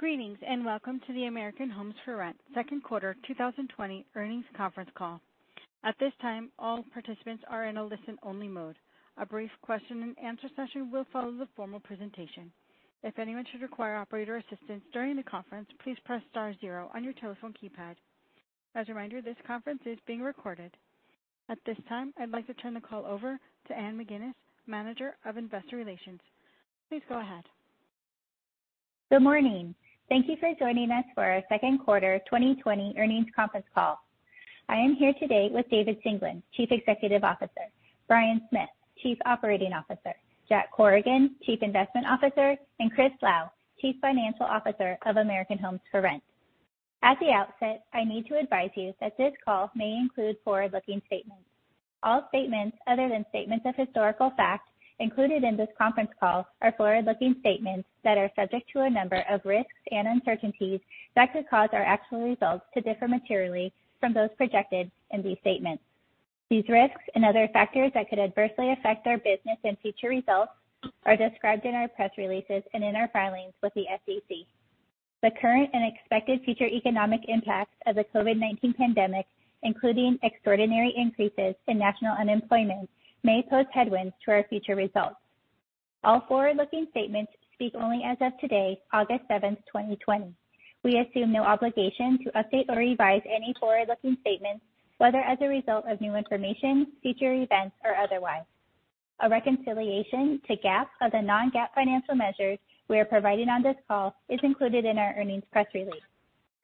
Greetings, and welcome to the American Homes 4 Rent second quarter 2020 earnings conference call. At this time, all participants are in a listen-only mode. A brief question and answer session will follow the formal presentation. If anyone should require operator assistance during the conference, please press star zero on your telephone keypad. As a reminder, this conference is being recorded. At this time, I'd like to turn the call over to Anne McGuinness, Manager of Investor Relations. Please go ahead. Good morning. Thank you for joining us for our second quarter 2020 earnings conference call. I am here today with David Singelyn, Chief Executive Officer, Bryan Smith, Chief Operating Officer, Jack Corrigan, Chief Investment Officer, and Christopher Lau, Chief Financial Officer of American Homes 4 Rent. At the outset, I need to advise you that this call may include forward-looking statements. All statements other than statements of historical fact included in this conference call are forward-looking statements that are subject to a number of risks and uncertainties that could cause our actual results to differ materially from those projected in these statements. These risks and other factors that could adversely affect our business and future results are described in our press releases and in our filings with the SEC. The current and expected future economic impacts of the COVID-19 pandemic, including extraordinary increases in national unemployment, may pose headwinds to our future results. All forward-looking statements speak only as of today, August seventh, 2020. We assume no obligation to update or revise any forward-looking statements, whether as a result of new information, future events, or otherwise. A reconciliation to GAAP of the non-GAAP financial measures we are providing on this call is included in our earnings press release.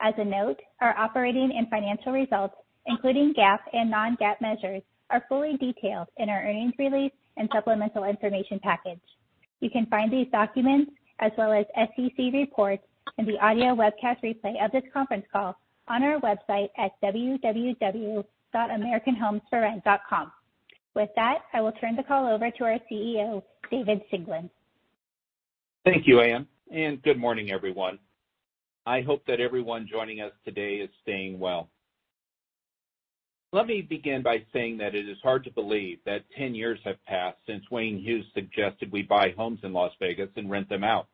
As a note, our operating and financial results, including GAAP and non-GAAP measures, are fully detailed in our earnings release and supplemental information package. You can find these documents as well as SEC reports and the audio webcast replay of this conference call on our website at www.americanhomes4rent.com. With that, I will turn the call over to our CEO, David Singelyn. Thank you, Anne, and good morning, everyone. I hope that everyone joining us today is staying well. Let me begin by saying that it is hard to believe that 10 years have passed since Wayne Hughes suggested we buy homes in Las Vegas and rent them out.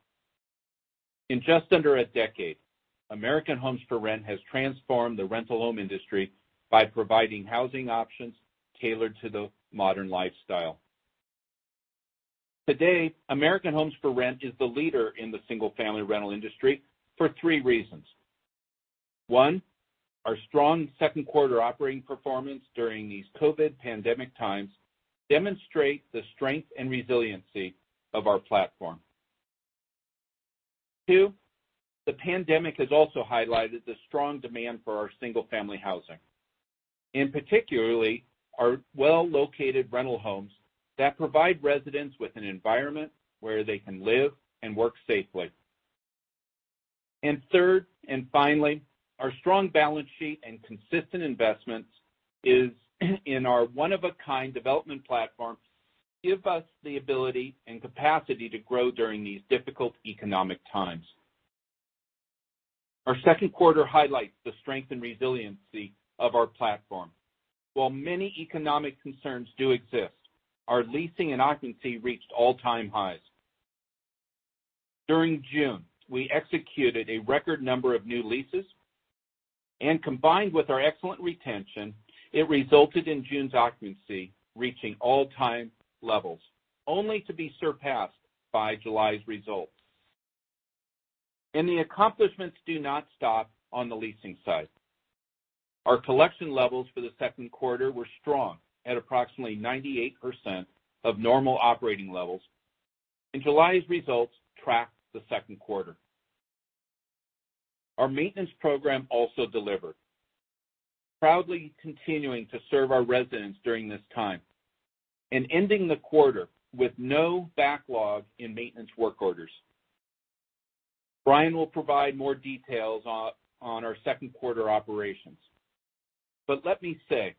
In just under a decade, American Homes 4 Rent has transformed the rental home industry by providing housing options tailored to the modern lifestyle. Today, American Homes 4 Rent is the leader in the single-family rental industry for three reasons. One, our strong second quarter operating performance during these COVID pandemic times demonstrate the strength and resiliency of our platform. Two, the pandemic has also highlighted the strong demand for our single-family housing, and particularly our well-located rental homes that provide residents with an environment where they can live and work safely. Third and finally, our strong balance sheet and consistent investments in our one-of-a-kind development platform give us the ability and capacity to grow during these difficult economic times. Our second quarter highlights the strength and resiliency of our platform. While many economic concerns do exist, our leasing and occupancy reached all-time highs. During June, we executed a record number of new leases, and combined with our excellent retention, it resulted in June's occupancy reaching all-time levels, only to be surpassed by July's results. The accomplishments do not stop on the leasing side. Our collection levels for the second quarter were strong at approximately 98% of normal operating levels, and July's results tracked the second quarter. Our maintenance program also delivered, proudly continuing to serve our residents during this time and ending the quarter with no backlog in maintenance work orders. Bryan will provide more details on our second quarter operations. Let me say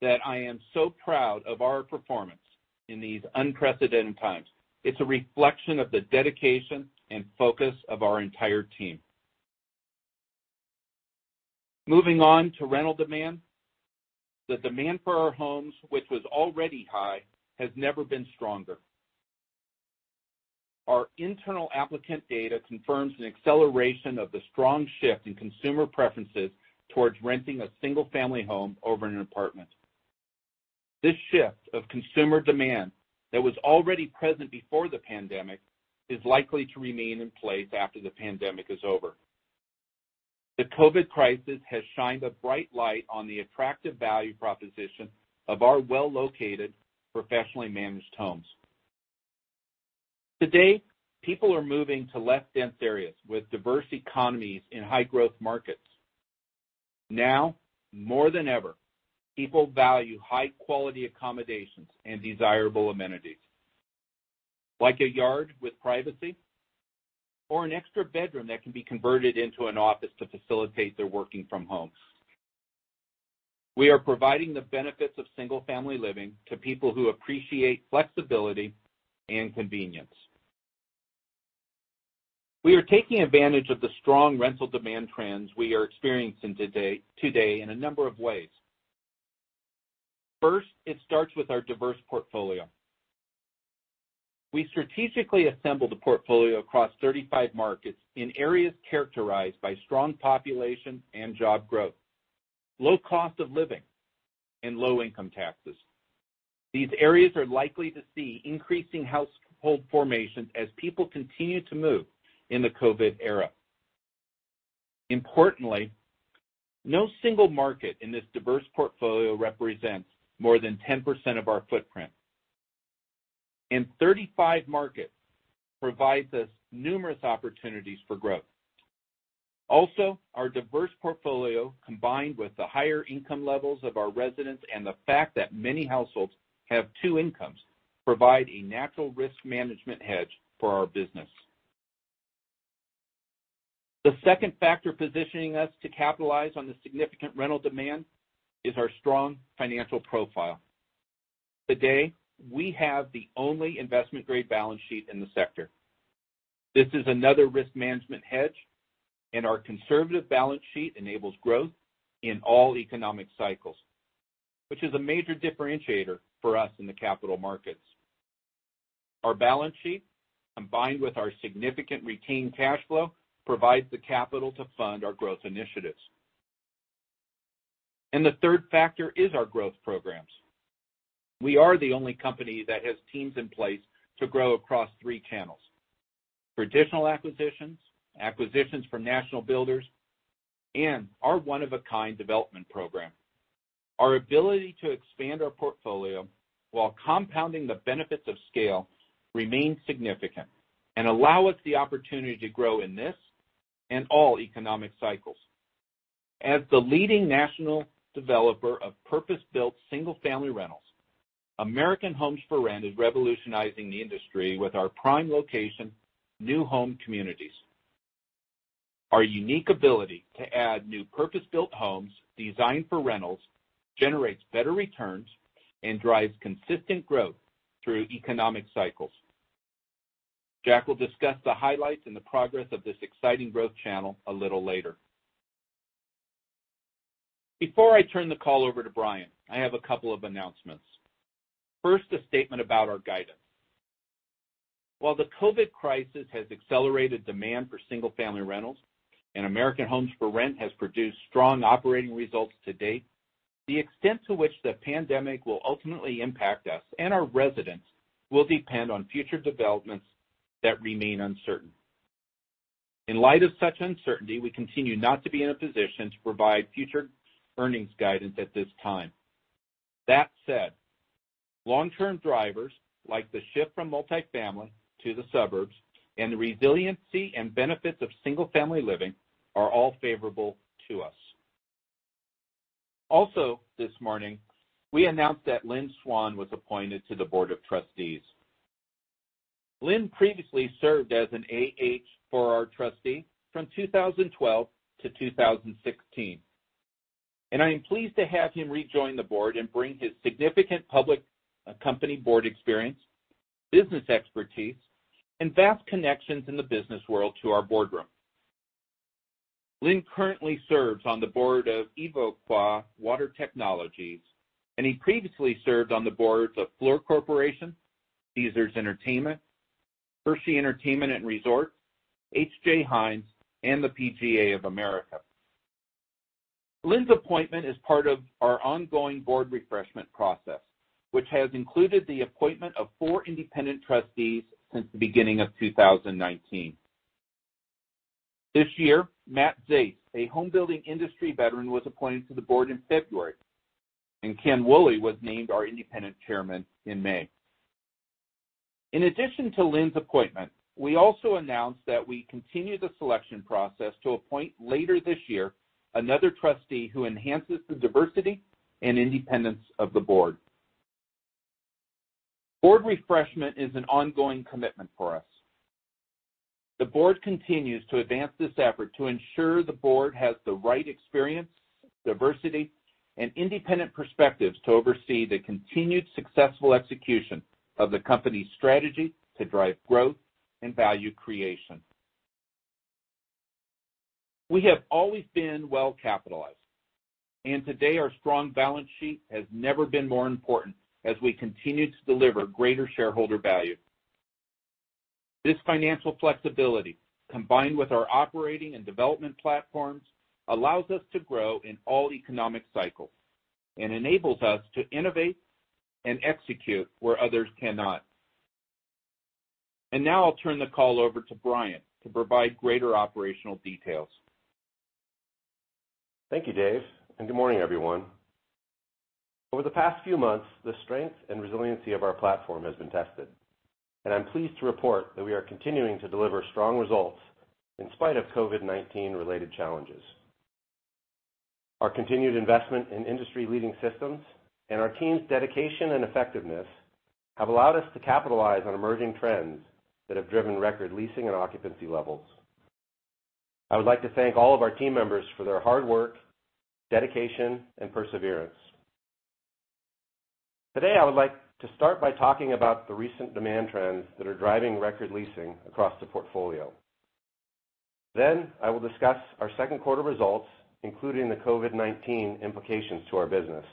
that I am so proud of our performance in these unprecedented times. It's a reflection of the dedication and focus of our entire team. Moving on to rental demand. The demand for our homes, which was already high, has never been stronger. Our internal applicant data confirms an acceleration of the strong shift in consumer preferences towards renting a single-family home over an apartment. This shift of consumer demand that was already present before the pandemic is likely to remain in place after the pandemic is over. The COVID crisis has shined a bright light on the attractive value proposition of our well-located, professionally managed homes. Today, people are moving to less dense areas with diverse economies in high-growth markets. Now more than ever, people value high-quality accommodations and desirable amenities like a yard with privacy or an extra bedroom that can be converted into an office to facilitate their working from home. We are providing the benefits of single-family living to people who appreciate flexibility and convenience. We are taking advantage of the strong rental demand trends we are experiencing today in a number of ways. First, it starts with our diverse portfolio. We strategically assembled a portfolio across 35 markets in areas characterized by strong population and job growth, low cost of living, and low income taxes. These areas are likely to see increasing household formation as people continue to move in the COVID era. Importantly, no single market in this diverse portfolio represents more than 10% of our footprint, and 35 markets provides us numerous opportunities for growth. Our diverse portfolio, combined with the higher income levels of our residents and the fact that many households have two incomes, provide a natural risk management hedge for our business. The second factor positioning us to capitalize on the significant rental demand is our strong financial profile. Today, we have the only investment-grade balance sheet in the sector. This is another risk management hedge. Our conservative balance sheet enables growth in all economic cycles, which is a major differentiator for us in the capital markets. Our balance sheet, combined with our significant retained cash flow, provides the capital to fund our growth initiatives. The third factor is our growth programs. We are the only company that has teams in place to grow across three channels, traditional acquisitions from national builders, and our one-of-a-kind development program. Our ability to expand our portfolio while compounding the benefits of scale remains significant and allow us the opportunity to grow in this and all economic cycles. As the leading national developer of purpose-built single-family rentals, American Homes 4 Rent is revolutionizing the industry with our prime location new home communities. Our unique ability to add new purpose-built homes designed for rentals generates better returns and drives consistent growth through economic cycles. Jack will discuss the highlights and the progress of this exciting growth channel a little later. Before I turn the call over to Bryan, I have a couple of announcements. First, a statement about our guidance. While the COVID-19 crisis has accelerated demand for single-family rentals, and American Homes 4 Rent has produced strong operating results to date, the extent to which the pandemic will ultimately impact us and our residents will depend on future developments that remain uncertain. In light of such uncertainty, we continue not to be in a position to provide future earnings guidance at this time. That said, long-term drivers, like the shift from multifamily to the suburbs and the resiliency and benefits of single-family living are all favorable to us. Also this morning, we announced that Lynn Swann was appointed to the board of trustees. Lynn previously served as an AH4R trustee from 2012 to 2016, and I am pleased to have him rejoin the board and bring his significant public company board experience, business expertise, and vast connections in the business world to our boardroom. Lynn currently serves on the board of Evoqua Water Technologies, and he previously served on the boards of Fluor Corporation, Caesars Entertainment, Hershey Entertainment & Resorts, H.J. Heinz, and the PGA of America. Lynn's appointment is part of our ongoing board refreshment process, which has included the appointment of four independent trustees since the beginning of 2019. This year, Matt Zaist, a home building industry veteran, was appointed to the board in February, and Ken Woolley was named our Independent Chairman in May. In addition to Lynn's appointment, we also announced that we continue the selection process to appoint later this year another trustee who enhances the diversity and independence of the board. Board refreshment is an ongoing commitment for us. The board continues to advance this effort to ensure the board has the right experience, diversity, and independent perspectives to oversee the continued successful execution of the company's strategy to drive growth and value creation. We have always been well-capitalized, and today our strong balance sheet has never been more important as we continue to deliver greater shareholder value. This financial flexibility, combined with our operating and development platforms, allows us to grow in all economic cycles and enables us to innovate and execute where others cannot. Now I'll turn the call over to Bryan to provide greater operational details. Thank you, Dave. Good morning, everyone. Over the past few months, the strength and resiliency of our platform has been tested, and I'm pleased to report that we are continuing to deliver strong results in spite of COVID-19-related challenges. Our continued investment in industry-leading systems and our team's dedication and effectiveness have allowed us to capitalize on emerging trends that have driven record leasing and occupancy levels. I would like to thank all of our team members for their hard work, dedication, and perseverance. Today, I would like to start by talking about the recent demand trends that are driving record leasing across the portfolio. I will discuss our second quarter results, including the COVID-19 implications to our business.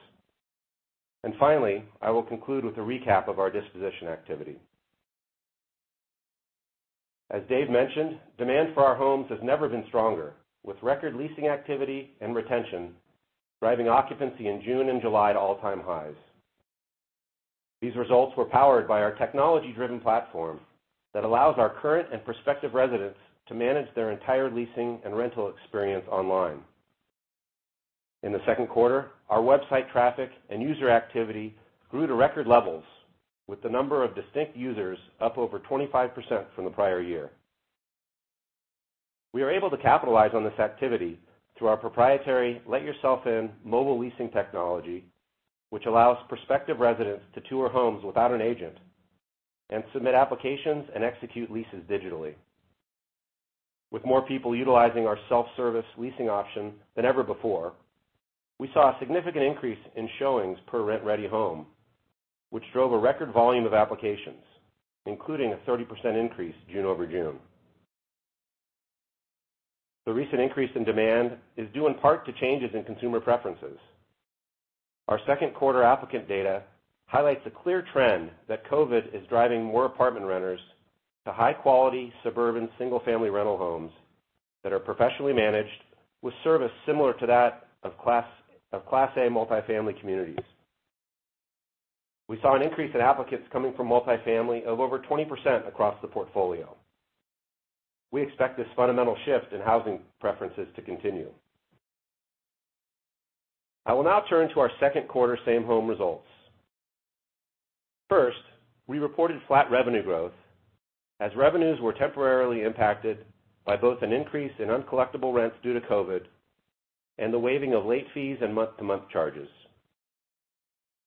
Finally, I will conclude with a recap of our disposition activity. As Dave mentioned, demand for our homes has never been stronger, with record leasing activity and retention driving occupancy in June and July to all-time highs. These results were powered by our technology-driven platform that allows our current and prospective residents to manage their entire leasing and rental experience online. In the second quarter, our website traffic and user activity grew to record levels, with the number of distinct users up over 25% from the prior year. We are able to capitalize on this activity through our proprietary Let Yourself In mobile leasing technology, which allows prospective residents to tour homes without an agent and submit applications and execute leases digitally. With more people utilizing our self-service leasing option than ever before, we saw a significant increase in showings per rent-ready home, which drove a record volume of applications, including a 30% increase June over June. The recent increase in demand is due in part to changes in consumer preferences. Our second quarter applicant data highlights a clear trend that COVID is driving more apartment renters to high-quality suburban single-family rental homes that are professionally managed with service similar to that of Class A multi-family communities. We saw an increase in applicants coming from multi-family of over 20% across the portfolio. We expect this fundamental shift in housing preferences to continue. I will now turn to our second quarter same-home results. First, we reported flat revenue growth as revenues were temporarily impacted by both an increase in uncollectible rents due to COVID and the waiving of late fees and month-to-month charges.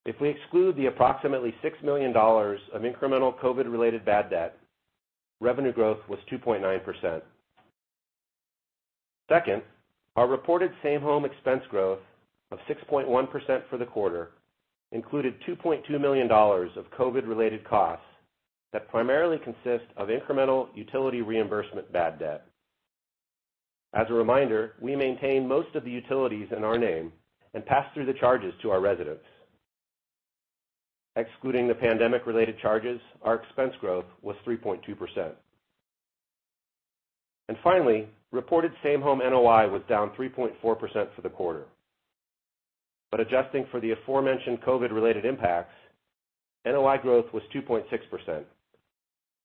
If we exclude the approximately $6 million of incremental COVID-related bad debt, revenue growth was 2.9%. Our reported same-home expense growth of 6.1% for the quarter included $2.2 million of COVID-related costs that primarily consist of incremental utility reimbursement bad debt. As a reminder, we maintain most of the utilities in our name and pass through the charges to our residents. Excluding the pandemic-related charges, our expense growth was 3.2%. Reported same-home NOI was down 3.4% for the quarter. Adjusting for the aforementioned COVID-related impacts, NOI growth was 2.6%,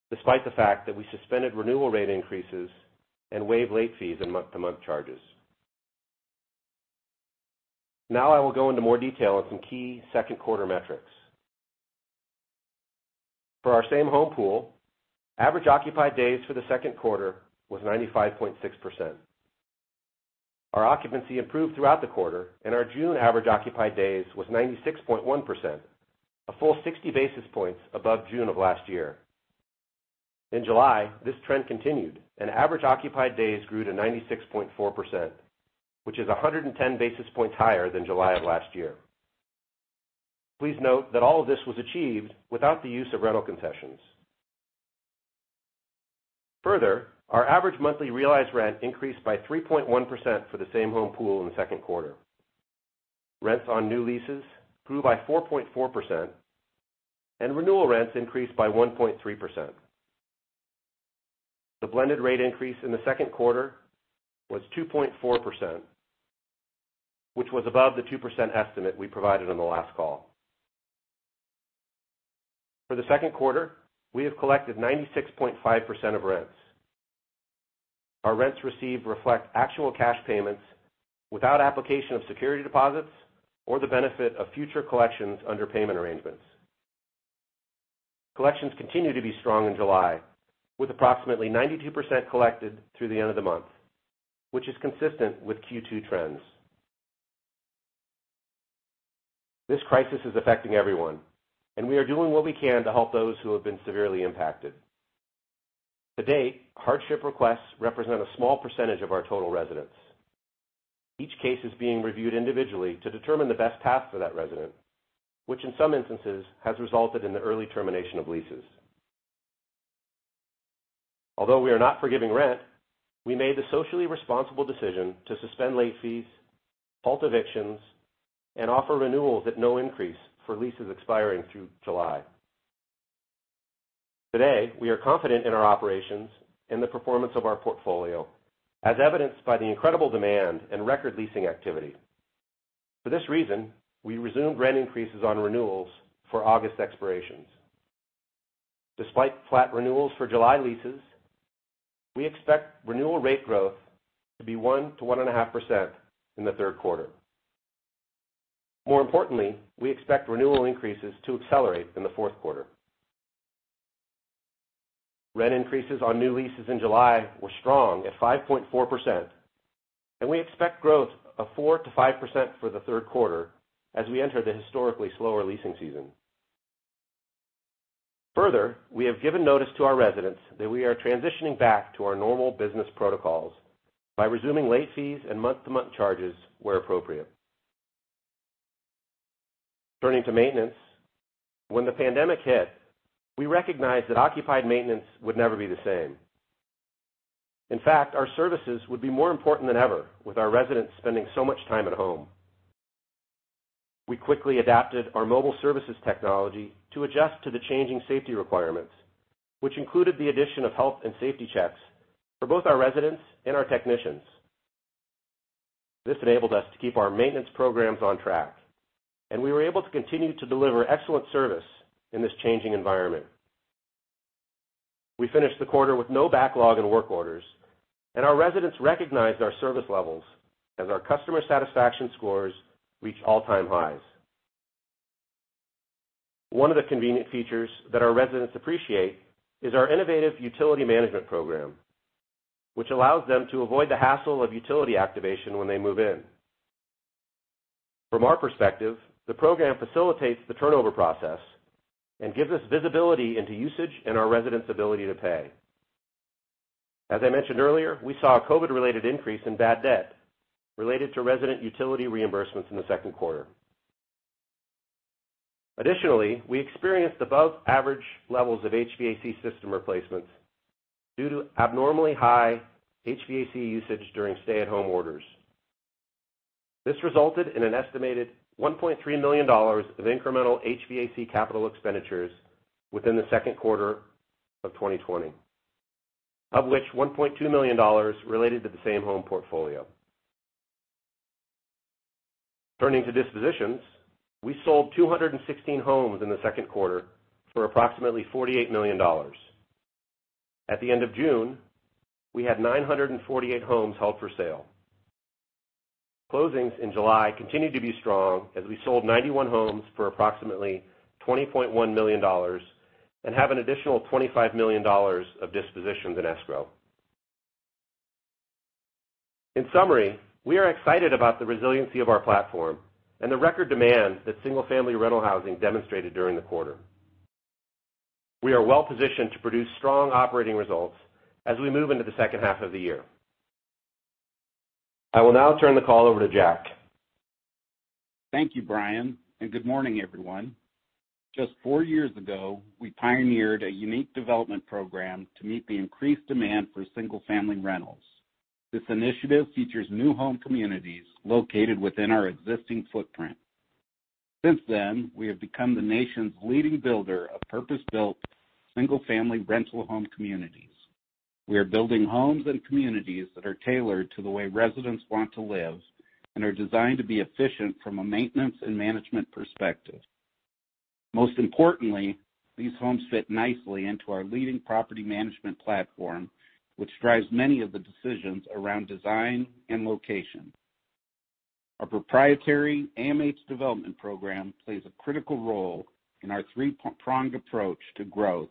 despite the fact that we suspended renewal rate increases and waived late fees and month-to-month charges. I will go into more detail on some key second quarter metrics. For our same-home pool, average occupied days for the second quarter was 95.6%. Our occupancy improved throughout the quarter, our June average occupied days was 96.1%, a full 60 basis points above June of last year. In July, this trend continued, and average occupied days grew to 96.4%, which is 110 basis points higher than July of last year. Please note that all of this was achieved without the use of rental concessions. Further, our average monthly realized rent increased by 3.1% for the same-home pool in the second quarter. Rents on new leases grew by 4.4%, and renewal rents increased by 1.3%. The blended rate increase in the second quarter was 2.4%, which was above the 2% estimate we provided on the last call. For the second quarter, we have collected 96.5% of rents. Our rents received reflect actual cash payments without application of security deposits or the benefit of future collections under payment arrangements. Collections continue to be strong in July, with approximately 92% collected through the end of the month, which is consistent with Q2 trends. This crisis is affecting everyone, and we are doing what we can to help those who have been severely impacted. To date, hardship requests represent a small percentage of our total residents. Each case is being reviewed individually to determine the best path for that resident, which in some instances has resulted in the early termination of leases. Although we are not forgiving rent, we made the socially responsible decision to suspend late fees, halt evictions, and offer renewals at no increase for leases expiring through July. Today, we are confident in our operations and the performance of our portfolio, as evidenced by the incredible demand and record leasing activity. For this reason, we resumed rent increases on renewals for August expirations. Despite flat renewals for July leases, we expect renewal rate growth to be 1%-1.5% in the third quarter. More importantly, we expect renewal increases to accelerate in the fourth quarter. We expect growth of 4%-5% for the third quarter as we enter the historically slower leasing season. Further, we have given notice to our residents that we are transitioning back to our normal business protocols by resuming late fees and month-to-month charges where appropriate. Turning to maintenance. When the pandemic hit, we recognized that occupied maintenance would never be the same. In fact, our services would be more important than ever with our residents spending so much time at home. We quickly adapted our mobile services technology to adjust to the changing safety requirements, which included the addition of health and safety checks for both our residents and our technicians. This enabled us to keep our maintenance programs on track, and we were able to continue to deliver excellent service in this changing environment. We finished the quarter with no backlog in work orders, and our residents recognized our service levels as our customer satisfaction scores reached all-time highs. One of the convenient features that our residents appreciate is our innovative utility management program, which allows them to avoid the hassle of utility activation when they move in. From our perspective, the program facilitates the turnover process and gives us visibility into usage and our residents' ability to pay. As I mentioned earlier, we saw a COVID-related increase in bad debt related to resident utility reimbursements in the second quarter. Additionally, we experienced above average levels of HVAC system replacements due to abnormally high HVAC usage during stay-at-home orders. This resulted in an estimated $1.3 million of incremental HVAC capital expenditures within the second quarter of 2020, of which $1.2 million related to the same-home portfolio. Turning to dispositions, we sold 216 homes in the second quarter for approximately $48 million. At the end of June, we had 948 homes held for sale. Closings in July continued to be strong as we sold 91 homes for approximately $20.1 million and have an additional $25 million of dispositions in escrow. In summary, we are excited about the resiliency of our platform and the record demand that single-family rental housing demonstrated during the quarter. We are well-positioned to produce strong operating results as we move into the second half of the year. I will now turn the call over to Jack. Thank you, Bryan, and good morning, everyone. Just four years ago, we pioneered a unique development program to meet the increased demand for single-family rentals. This initiative features new home communities located within our existing footprint. Since then, we have become the nation's leading builder of purpose-built single-family rental home communities. We are building homes and communities that are tailored to the way residents want to live and are designed to be efficient from a maintenance and management perspective. Most importantly, these homes fit nicely into our leading property management platform, which drives many of the decisions around design and location. Our proprietary AMH development program plays a critical role in our three-pronged approach to growth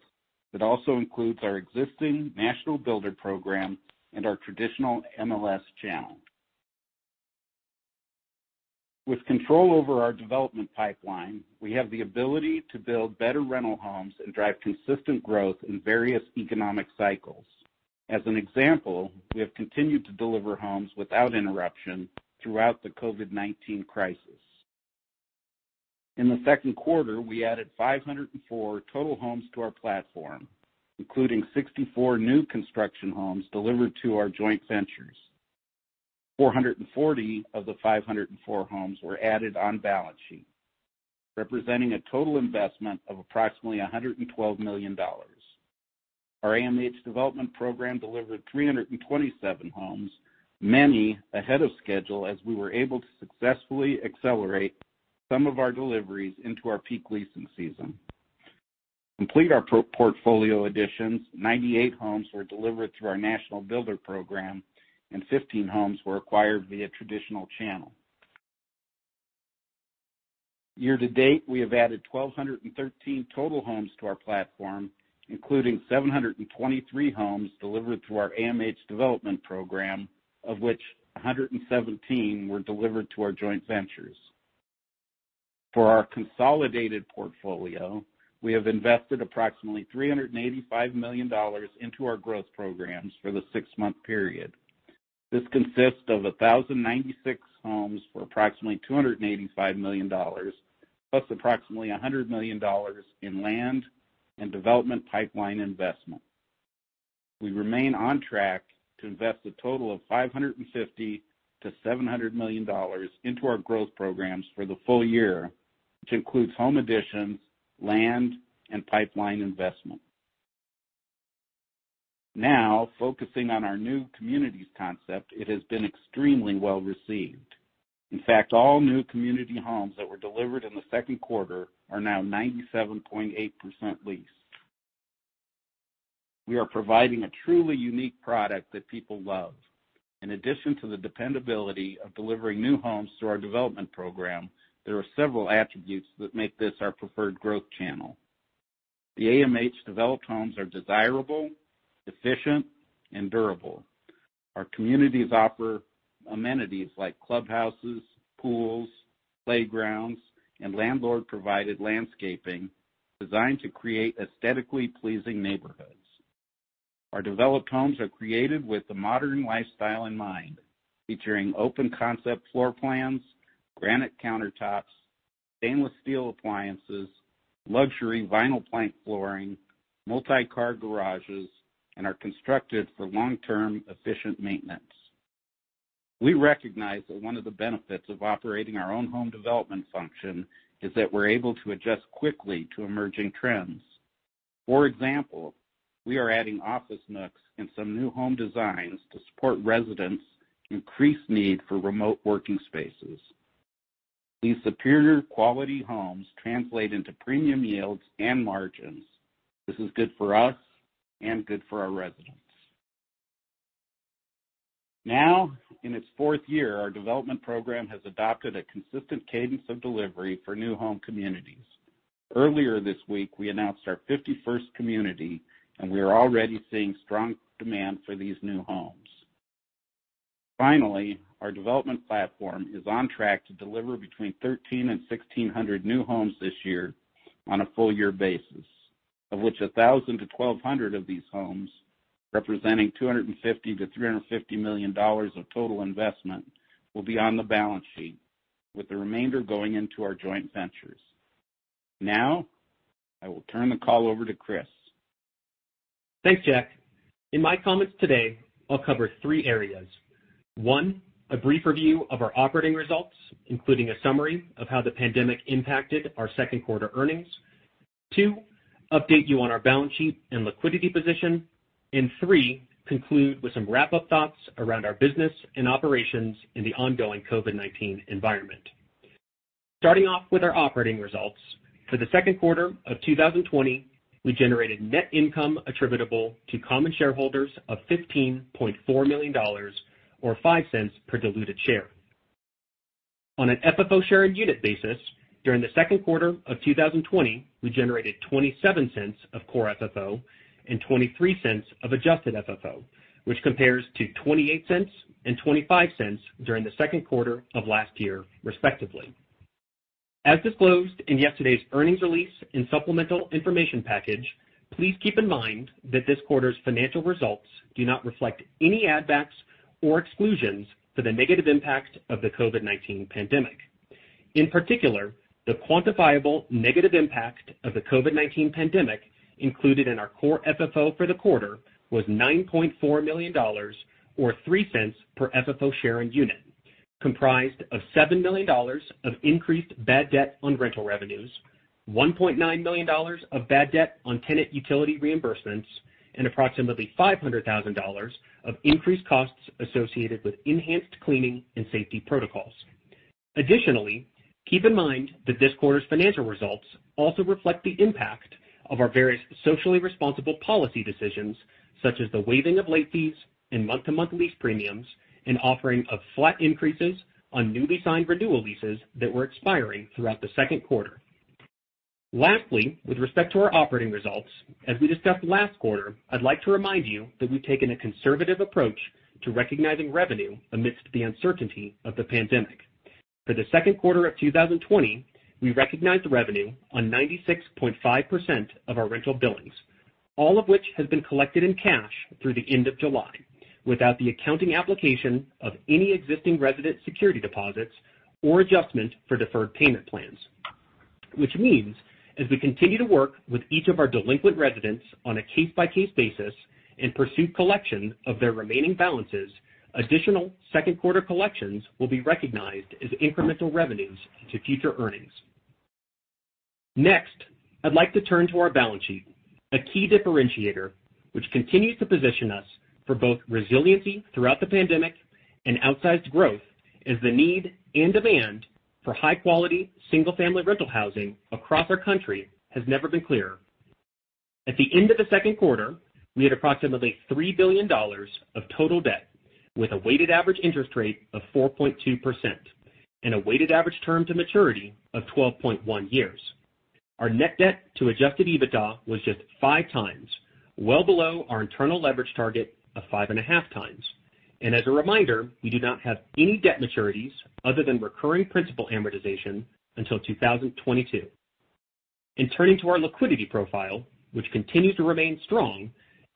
that also includes our existing national builder program and our traditional MLS channel. With control over our development pipeline, we have the ability to build better rental homes and drive consistent growth in various economic cycles. As an example, we have continued to deliver homes without interruption throughout the COVID-19 crisis. In the second quarter, we added 504 total homes to our platform, including 64 new construction homes delivered to our joint ventures. 440 of the 504 homes were added on balance sheet, representing a total investment of approximately $112 million. Our AMH development program delivered 327 homes, many ahead of schedule, as we were able to successfully accelerate some of our deliveries into our peak leasing season. To complete our portfolio additions, 98 homes were delivered through our national builder program, and 15 homes were acquired via traditional channel. Year to date, we have added 1,213 total homes to our platform, including 723 homes delivered through our AMH development program, of which 117 were delivered to our joint ventures. For our consolidated portfolio, we have invested approximately $385 million into our growth programs for the six-month period. This consists of 1,096 homes for approximately $285 million, plus approximately $100 million in land and development pipeline investment. We remain on track to invest a total of $550 million-$700 million into our growth programs for the full year, which includes home additions, land, and pipeline investment. Focusing on our new communities concept, it has been extremely well-received. In fact, all new community homes that were delivered in the second quarter are now 97.8% leased. We are providing a truly unique product that people love. In addition to the dependability of delivering new homes through our development program, there are several attributes that make this our preferred growth channel. The AMH-developed homes are desirable, efficient, and durable. Our communities offer amenities like clubhouses, pools, playgrounds, and landlord-provided landscaping designed to create aesthetically pleasing neighborhoods. Our developed homes are created with the modern lifestyle in mind, featuring open concept floor plans, granite countertops, stainless steel appliances, luxury vinyl plank flooring, multi-car garages, and are constructed for long-term efficient maintenance. We recognize that one of the benefits of operating our own home development function is that we're able to adjust quickly to emerging trends. For example, we are adding office nooks in some new home designs to support residents' increased need for remote working spaces. These superior quality homes translate into premium yields and margins. This is good for us and good for our residents. In its fourth year, our development program has adopted a consistent cadence of delivery for new home communities. Earlier this week, we announced our 51st community, and we are already seeing strong demand for these new homes. Our development platform is on track to deliver between 1,300 and 1,600 new homes this year on a full year basis, of which 1,000-1,200 of these homes, representing $250 million-$350 million of total investment, will be on the balance sheet, with the remainder going into our joint ventures. I will turn the call over to Chris. Thanks, Jack. In my comments today, I'll cover three areas. One, a brief review of our operating results, including a summary of how the pandemic impacted our second quarter earnings. Two, update you on our balance sheet and liquidity position. Three, conclude with some wrap-up thoughts around our business and operations in the ongoing COVID-19 environment. Starting off with our operating results, for the second quarter of 2020, we generated net income attributable to common shareholders of $15.4 million, or $0.05 per diluted share. On an FFO share unit basis, during the second quarter of 2020, we generated $0.27 of core FFO and $0.23 of adjusted FFO, which compares to $0.28 and $0.25 during the second quarter of last year, respectively. As disclosed in yesterday's earnings release and supplemental information package, please keep in mind that this quarter's financial results do not reflect any add backs or exclusions for the negative impact of the COVID-19 pandemic. In particular, the quantifiable negative impact of the COVID-19 pandemic included in our core FFO for the quarter was $9.4 million, or $0.03 per FFO share and unit, comprised of $7 million of increased bad debt on rental revenues, $1.9 million of bad debt on tenant utility reimbursements, and approximately $500,000 of increased costs associated with enhanced cleaning and safety protocols. Additionally, keep in mind that this quarter's financial results also reflect the impact of our various socially responsible policy decisions, such as the waiving of late fees and month-to-month lease premiums and offering of flat increases on newly signed renewal leases that were expiring throughout the second quarter. Lastly, with respect to our operating results, as we discussed last quarter, I'd like to remind you that we've taken a conservative approach to recognizing revenue amidst the uncertainty of the pandemic. For the second quarter of 2020, we recognized revenue on 96.5% of our rental billings, all of which has been collected in cash through the end of July, without the accounting application of any existing resident security deposits or adjustment for deferred payment plans. As we continue to work with each of our delinquent residents on a case-by-case basis and pursue collection of their remaining balances, additional second quarter collections will be recognized as incremental revenues to future earnings. Next, I'd like to turn to our balance sheet, a key differentiator which continues to position us for both resiliency throughout the COVID-19 pandemic and outsized growth as the need and demand for high-quality single-family rental housing across our country has never been clearer. At the end of the second quarter, we had approximately $3 billion of total debt with a weighted average interest rate of 4.2% and a weighted average term to maturity of 12.1 years. Our net debt to adjusted EBITDA was just five times, well below our internal leverage target of 5.5 times. As a reminder, we do not have any debt maturities other than recurring principal amortization until 2022. In turning to our liquidity profile, which continues to remain strong,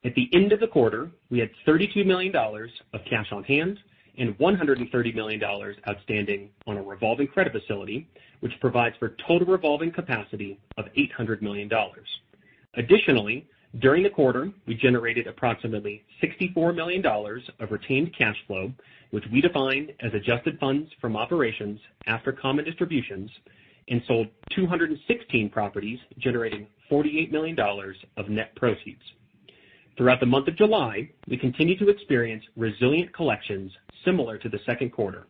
at the end of the quarter, we had $32 million of cash on hand and $130 million outstanding on a revolving credit facility, which provides for total revolving capacity of $800 million. Additionally, during the quarter, we generated approximately $64 million of retained cash flow, which we define as adjusted funds from operations after common distributions and sold 216 properties, generating $48 million of net proceeds. Throughout the month of July, we continued to experience resilient collections similar to the second quarter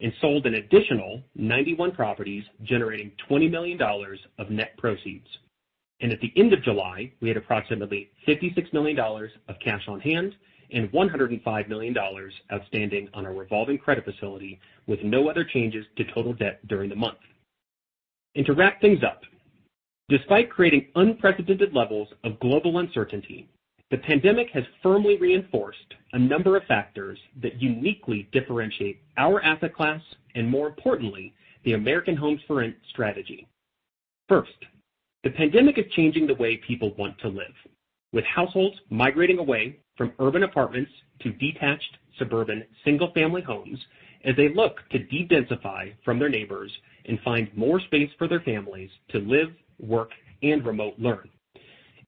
and sold an additional 91 properties, generating $20 million of net proceeds. At the end of July, we had approximately $56 million of cash on hand and $105 million outstanding on our revolving credit facility with no other changes to total debt during the month. To wrap things up, despite creating unprecedented levels of global uncertainty, the pandemic has firmly reinforced a number of factors that uniquely differentiate our asset class and more importantly, the American Homes 4 Rent strategy. First, the pandemic is changing the way people want to live. With households migrating away from urban apartments to detached suburban single-family homes as they look to de-densify from their neighbors and find more space for their families to live, work, and remote learn.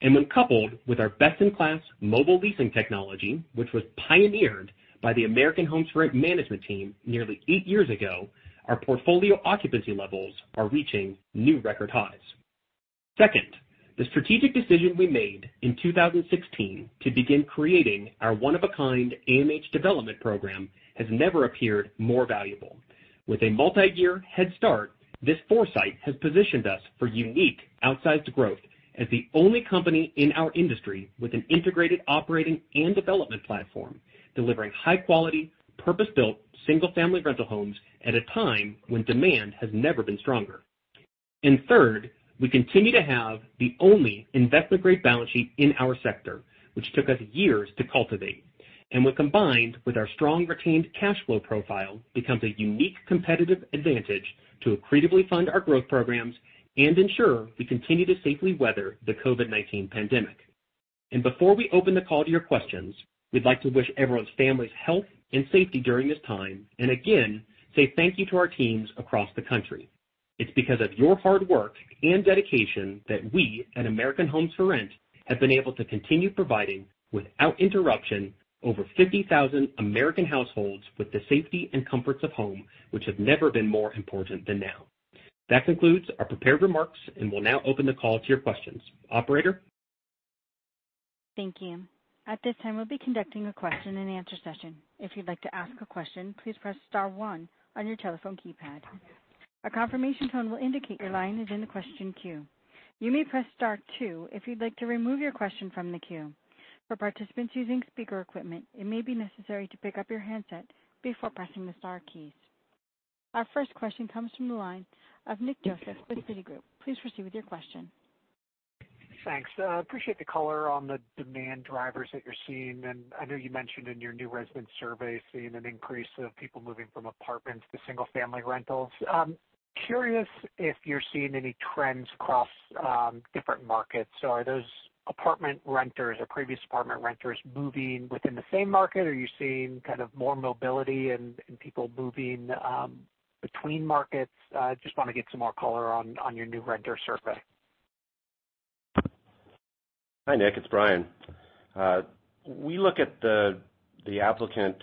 When coupled with our best-in-class mobile leasing technology, which was pioneered by the American Homes 4 Rent management team nearly 8 years ago, our portfolio occupancy levels are reaching new record highs. Second, the strategic decision we made in 2016 to begin creating our one-of-a-kind AMH development program has never appeared more valuable. With a multi-year head start, this foresight has positioned us for unique, outsized growth as the only company in our industry with an integrated operating and development platform, delivering high-quality, purpose-built single-family rental homes at a time when demand has never been stronger. Third, we continue to have the only investment-grade balance sheet in our sector, which took us years to cultivate. When combined with our strong retained cash flow profile, becomes a unique competitive advantage to accretively fund our growth programs and ensure we continue to safely weather the COVID-19 pandemic. Before we open the call to your questions, we'd like to wish everyone's families health and safety during this time, and again, say thank you to our teams across the country. It's because of your hard work and dedication that we at American Homes 4 Rent have been able to continue providing, without interruption, over 50,000 American households with the safety and comforts of home, which have never been more important than now. That concludes our prepared remarks, and we'll now open the call to your questions. Operator? Thank you. At this time, we'll be conducting a question and answer session. If you'd like to ask a question, please press star one on your telephone keypad. A confirmation tone will indicate your line is in the question queue. You may press star two if you'd like to remove your question from the queue. For participants using speaker equipment, it may be necessary to pick up your handset before pressing the star keys. Our first question comes from the line of Nick Joseph with Citigroup. Please proceed with your question. Thanks. Appreciate the color on the demand drivers that you're seeing. I know you mentioned in your new resident survey seeing an increase of people moving from apartments to single-family rentals. Curious if you're seeing any trends across different markets. Are those apartment renters or previous apartment renters moving within the same market? Are you seeing more mobility and people moving between markets? Just want to get some more color on your new renter survey. Hi, Nick. It's Bryan. We look at the applicant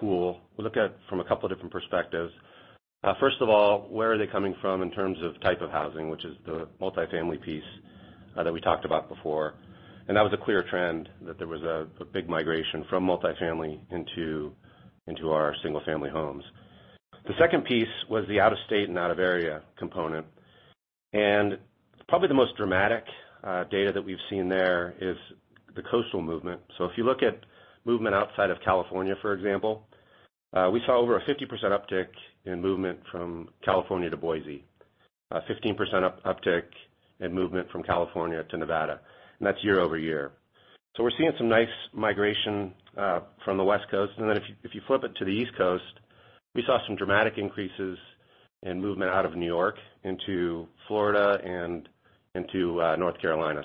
pool. We look at it from a couple different perspectives. First of all, where are they coming from in terms of type of housing, which is the multifamily piece that we talked about before. That was a clear trend, that there was a big migration from multifamily into our single-family homes. The second piece was the out-of-state and out-of-area component. Probably the most dramatic data that we've seen there is the coastal movement. If you look at movement outside of California, for example, we saw over a 50% uptick in movement from California to Boise. A 15% uptick in movement from California to Nevada. That's year-over-year. We're seeing some nice migration from the West Coast. If you flip it to the East Coast, we saw some dramatic increases in movement out of New York into Florida and into North Carolina.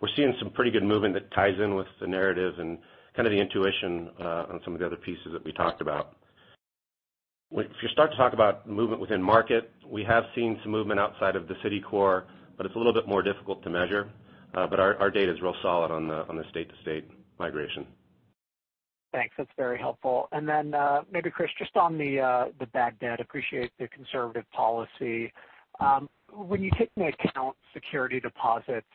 We're seeing some pretty good movement that ties in with the narrative and kind of the intuition on some of the other pieces that we talked about. If you start to talk about movement within market, we have seen some movement outside of the city core, but it's a little bit more difficult to measure. Our data is real solid on the state-to-state migration. Thanks. That's very helpful. Then maybe Chris, just on the bad debt, appreciate the conservative policy. When you take into account security deposits,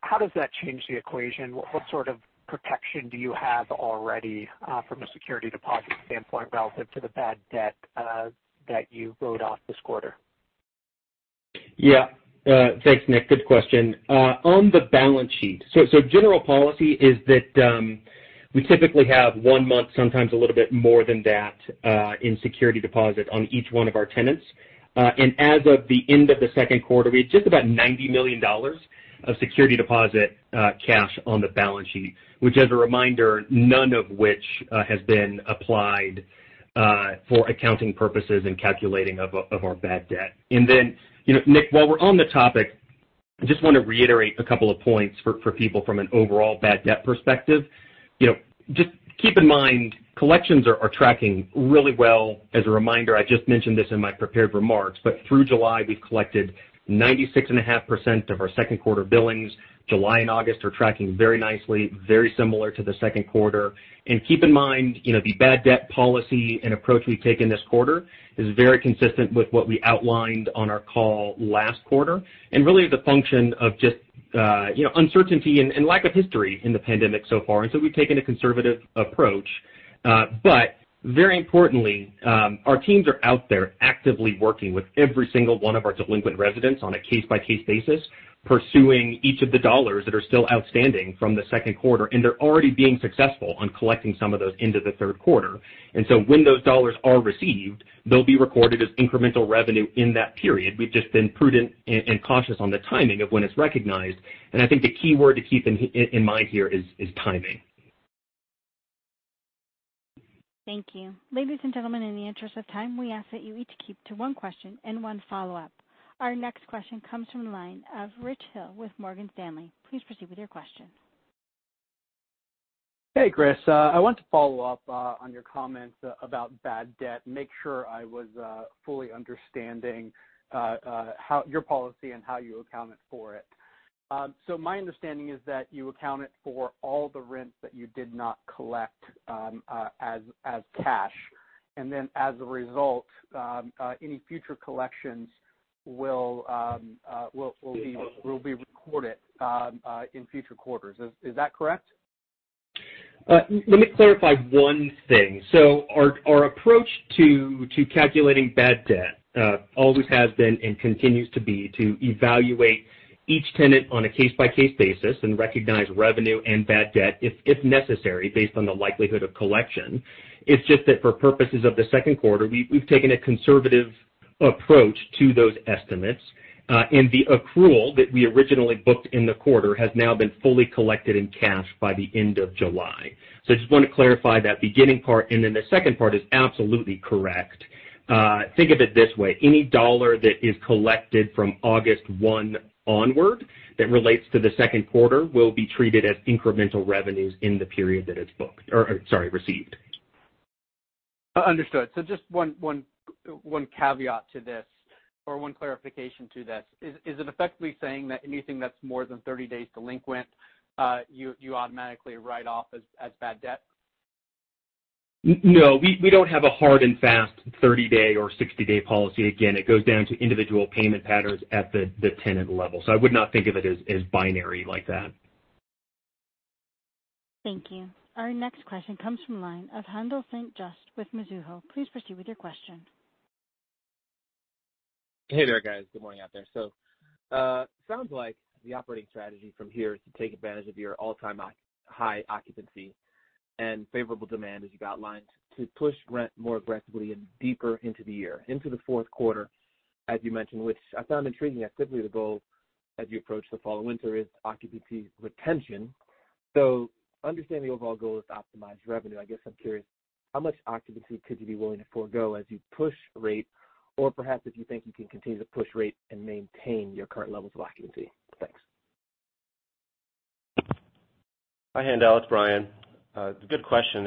how does that change the equation? What sort of protection do you have already from a security deposit standpoint relative to the bad debt that you wrote off this quarter? Yeah. Thanks, Nick. Good question. On the balance sheet, general policy is that we typically have one month, sometimes a little bit more than that, in security deposit on each one of our tenants. As of the end of the second quarter, we had just about $90 million of security deposit cash on the balance sheet. Which as a reminder, none of which has been applied for accounting purposes and calculating of our bad debt. Nick, while we're on the topic, just want to reiterate a couple of points for people from an overall bad debt perspective. Just keep in mind, collections are tracking really well. As a reminder, I just mentioned this in my prepared remarks, through July, we've collected 96.5% of our second quarter billings. July and August are tracking very nicely, very similar to the second quarter. Keep in mind, the bad debt policy and approach we've taken this quarter is very consistent with what we outlined on our call last quarter. Really the function of just uncertainty and lack of history in the pandemic so far. So we've taken a conservative approach. Very importantly, our teams are out there actively working with every single one of our delinquent residents on a case-by-case basis, pursuing each of the dollars that are still outstanding from the second quarter. They're already being successful on collecting some of those into the third quarter. So when those dollars are received, they'll be recorded as incremental revenue in that period. We've just been prudent and cautious on the timing of when it's recognized. I think the key word to keep in mind here is timing. Thank you. Ladies and gentlemen, in the interest of time, we ask that you each keep to one question and one follow-up. Our next question comes from the line of Rich Hill with Morgan Stanley. Please proceed with your question. Hey, Chris. I want to follow up on your comments about bad debt, make sure I was fully understanding your policy and how you account for it. My understanding is that you accounted for all the rents that you did not collect as cash, and then as a result, any future collections will be recorded in future quarters. Is that correct? Let me clarify one thing. Our approach to calculating bad debt always has been and continues to be to evaluate each tenant on a case-by-case basis and recognize revenue and bad debt if necessary, based on the likelihood of collection. It's just that for purposes of the second quarter, we've taken a conservative approach to those estimates. The accrual that we originally booked in the quarter has now been fully collected in cash by the end of July. I just want to clarify that beginning part, and then the second part is absolutely correct. Think of it this way. Any dollar that is collected from August one onward that relates to the second quarter will be treated as incremental revenues in the period that it's received. Understood. Just one caveat to this or one clarification to this. Is it effectively saying that anything that's more than 30 days delinquent, you automatically write off as bad debt? No. We don't have a hard and fast 30-day or 60-day policy. Again, it goes down to individual payment patterns at the tenant level. I would not think of it as binary like that. Thank you. Our next question comes from line of Haendel St. Juste with Mizuho. Please proceed with your question. Hey there, guys. Good morning out there. Sounds like the operating strategy from here is to take advantage of your all-time high occupancy and favorable demand, as you've outlined, to push rent more aggressively and deeper into the year, into the fourth quarter, as you mentioned, which I found intriguing, as typically the goal as you approach the fall and winter is occupancy retention. Understanding the overall goal is to optimize revenue, I guess I'm curious how much occupancy could you be willing to forego as you push rate, or perhaps if you think you can continue to push rate and maintain your current levels of occupancy? Thanks. Hi, Haendel. It's Bryan. Good question.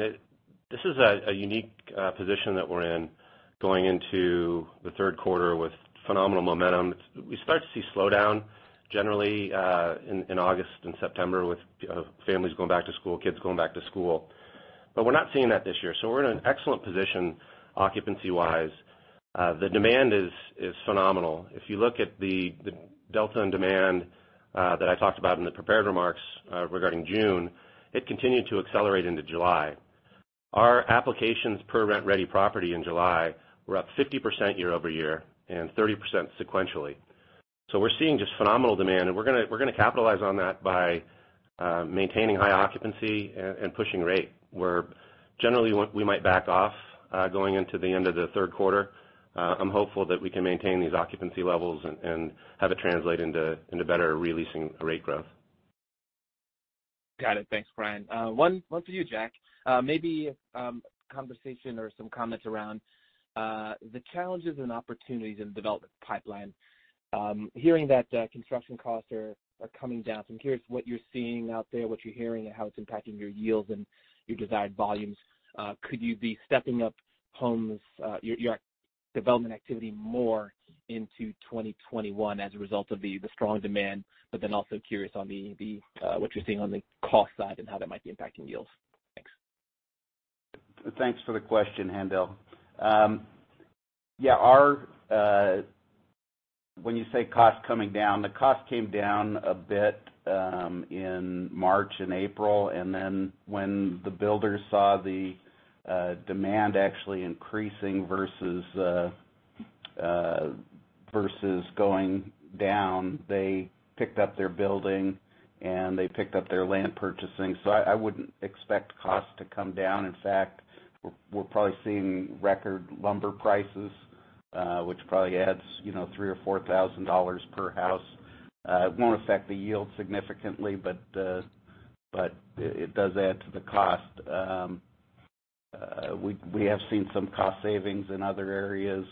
This is a unique position that we're in going into the third quarter with phenomenal momentum. We start to see slowdown generally in August and September with families going back to school, kids going back to school. We're not seeing that this year, so we're in an excellent position occupancy wise. The demand is phenomenal. If you look at the delta in demand that I talked about in the prepared remarks regarding June, it continued to accelerate into July. Our applications per rent-ready property in July were up 50% year-over-year and 30% sequentially. We're seeing just phenomenal demand, and we're going to capitalize on that by maintaining high occupancy and pushing rate, where generally we might back off going into the end of the third quarter. I'm hopeful that we can maintain these occupancy levels and have it translate into better releasing rate growth. Got it. Thanks, Bryan. One for you, Jack. Maybe a conversation or some comments around the challenges and opportunities in the development pipeline. Hearing that construction costs are coming down, so I'm curious what you're seeing out there, what you're hearing, and how it's impacting your yields and your desired volumes. Could you be stepping up homes, your development activity more into 2021 as a result of the strong demand, but then also curious on what you're seeing on the cost side and how that might be impacting yields. Thanks. Thanks for the question, Haendel. Yeah. When you say cost coming down, the cost came down a bit in March and April, and then when the builders saw the demand actually increasing versus going down, they picked up their building, and they picked up their land purchasing. I wouldn't expect costs to come down. In fact, we're probably seeing record lumber prices, which probably adds $3,000 or $4,000 per house. It won't affect the yield significantly, but it does add to the cost. We have seen some cost savings in other areas.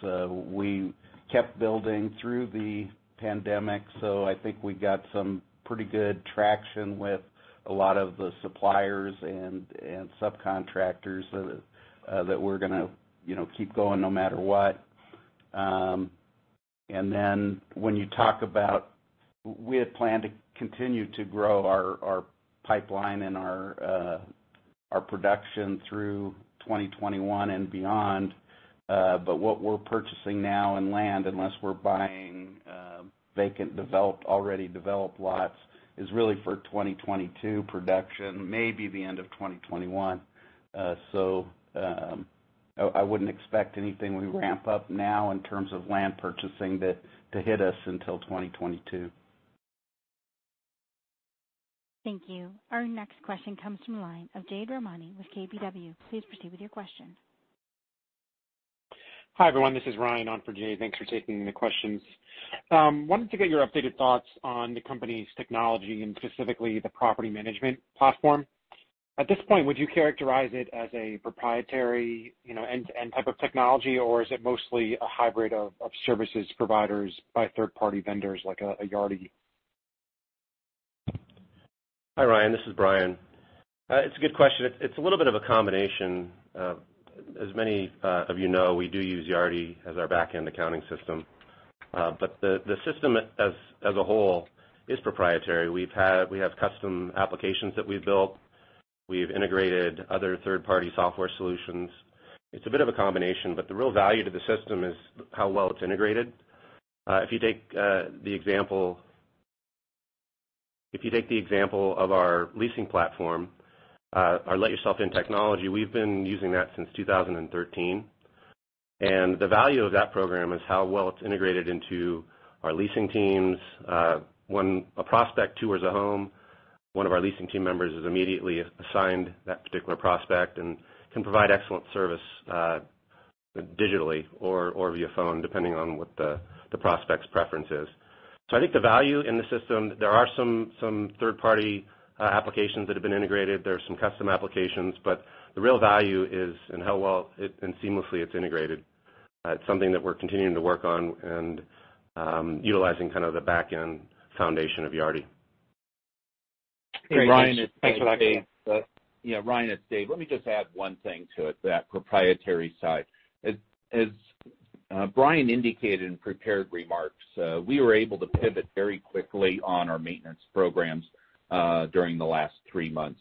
We kept building through the pandemic, so I think we got some pretty good traction with a lot of the suppliers and subcontractors that we're going to keep going no matter what. When you talk about, we had planned to continue to grow our pipeline and our production through 2021 and beyond. What we're purchasing now in land, unless we're buying vacant, already developed lots, is really for 2022 production, maybe the end of 2021. I wouldn't expect anything we ramp up now in terms of land purchasing to hit us until 2022. Thank you. Our next question comes from the line of Jade Rahmani with KBW. Please proceed with your question. Hi, everyone. This is Ryan on for Jade. Thanks for taking the questions. I wanted to get your updated thoughts on the company's technology and specifically the property management platform. At this point, would you characterize it as a proprietary end-to-end type of technology, or is it mostly a hybrid of services providers by third-party vendors like a Yardi? Hi, Ryan, this is Bryan. It's a good question. It's a little bit of a combination. As many of you know, we do use Yardi as our back-end accounting system. The system as a whole is proprietary. We have custom applications that we've built. We've integrated other third-party software solutions. It's a bit of a combination, but the real value to the system is how well it's integrated. If you take the example of our leasing platform, our Let Yourself In technology, we've been using that since 2013. The value of that program is how well it's integrated into our leasing teams. When a prospect tours a home, one of our leasing team members is immediately assigned that particular prospect and can provide excellent service, digitally or via phone, depending on what the prospect's preference is. I think the value in the system, there are some third-party applications that have been integrated. There are some custom applications, but the real value is in how well and seamlessly it's integrated. It's something that we're continuing to work on and utilizing kind of the back-end foundation of Yardi. Great. Thanks for that. Yeah, Ryan, it's Dave. Let me just add one thing to it, that proprietary side. As Bryan indicated in prepared remarks, we were able to pivot very quickly on our maintenance programs, during the last three months.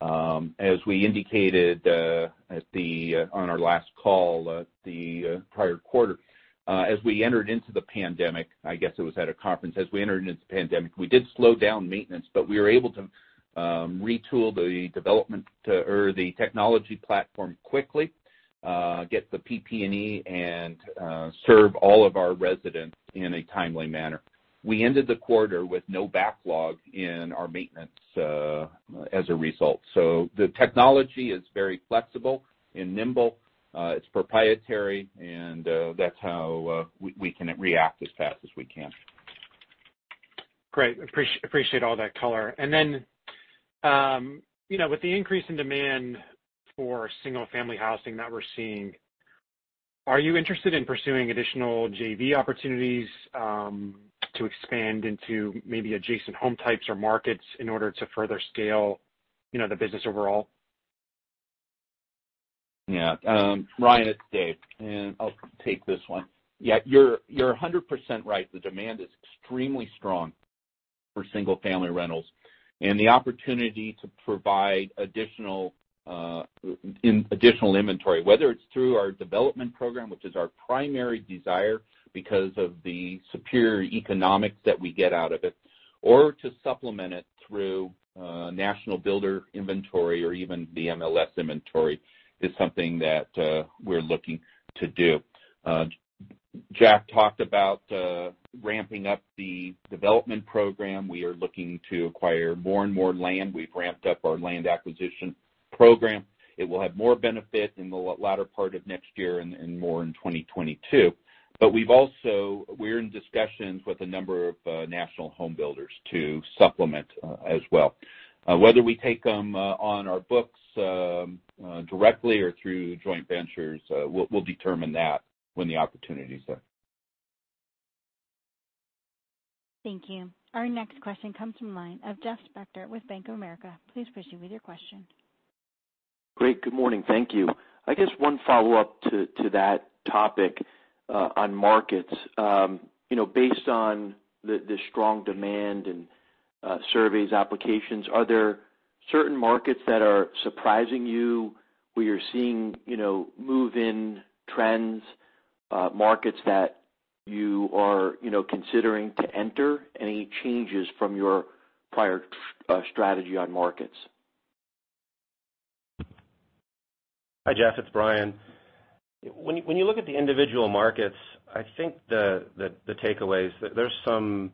As we indicated on our last call, the prior quarter, as we entered into the pandemic, I guess it was at a conference, as we entered into the pandemic, we did slow down maintenance, but we were able to retool the technology platform quickly, get the PP&E, and serve all of our residents in a timely manner. We ended the quarter with no backlog in our maintenance as a result. The technology is very flexible and nimble. It's proprietary, and that's how we can react as fast as we can. Great. Appreciate all that color. With the increase in demand for single-family housing that we're seeing, are you interested in pursuing additional JV opportunities to expand into maybe adjacent home types or markets in order to further scale the business overall? Yeah. Ryan, it's Dave, and I'll take this one. Yeah, you're 100% right. The demand is extremely strong for single-family rentals. The opportunity to provide additional inventory, whether it's through our development program, which is our primary desire because of the superior economics that we get out of it, or to supplement it through national builder inventory or even the MLS inventory, is something that we're looking to do. Jack talked about ramping up the development program. We are looking to acquire more and more land. We've ramped up our land acquisition program. It will have more benefit in the latter part of next year and more in 2022. We're in discussions with a number of national home builders to supplement as well. Whether we take them on our books directly or through joint ventures, we'll determine that when the opportunities are. Thank you. Our next question comes from the line of Jeff Spector with Bank of America. Please proceed with your question. Great. Good morning. Thank you. I guess one follow-up to that topic on markets. Based on the strong demand in surveys applications, are there certain markets that are surprising you where you're seeing move-in trends, markets that you are considering to enter? Any changes from your prior strategy on markets? Hi, Jeff. It's Bryan. When you look at the individual markets, I think the takeaway is that there is some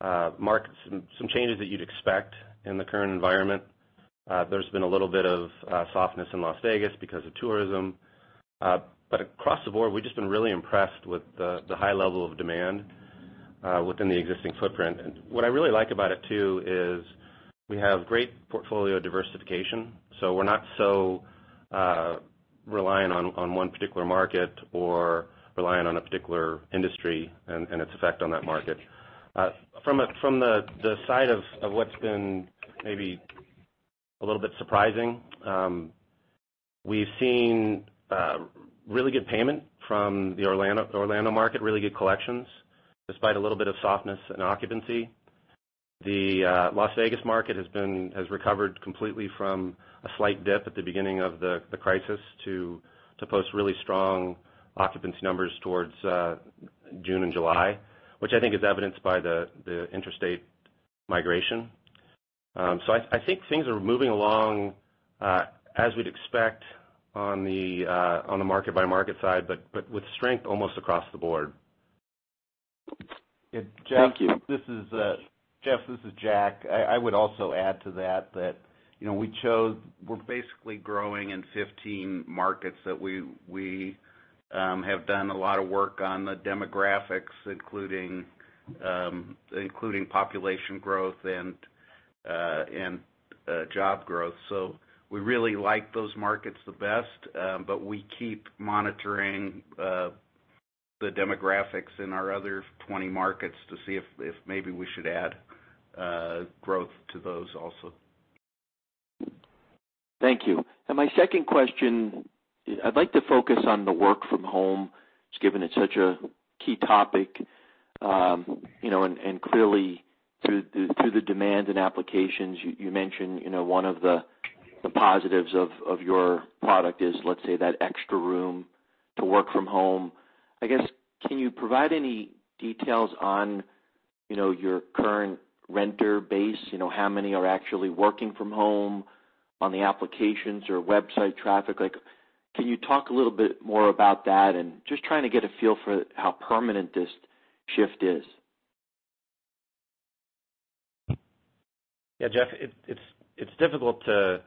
markets and some changes that you would expect in the current environment. There has been a little bit of softness in Las Vegas because of tourism. Across the board, we have just been really impressed with the high level of demand within the existing footprint. What I really like about it too is we have great portfolio diversification, so we are not so reliant on one particular market or reliant on a particular industry and its effect on that market. From the side of what has been maybe a little bit surprising, we have seen really good payment from the Orlando market, really good collections, despite a little bit of softness in occupancy. The Las Vegas market has recovered completely from a slight dip at the beginning of the crisis to post really strong occupancy numbers towards June and July, which I think is evidenced by the interstate migration. I think things are moving along as we'd expect on the market by market side, but with strength almost across the board. Jeff, this is Jack. I would also add to that we're basically growing in 15 markets that we have done a lot of work on the demographics, including population growth and job growth. We really like those markets the best, we keep monitoring the demographics in our other 20 markets to see if maybe we should add growth to those also. Thank you. My second question, I'd like to focus on the work from home, just given it's such a key topic, and clearly through the demand and applications, you mentioned one of the positives of your product is, let's say, that extra room to work from home. I guess, can you provide any details on your current renter base? How many are actually working from home on the applications or website traffic? Can you talk a little more about that? Just trying to get a feel for how permanent this shift is. Yeah, Jeff, it's difficult to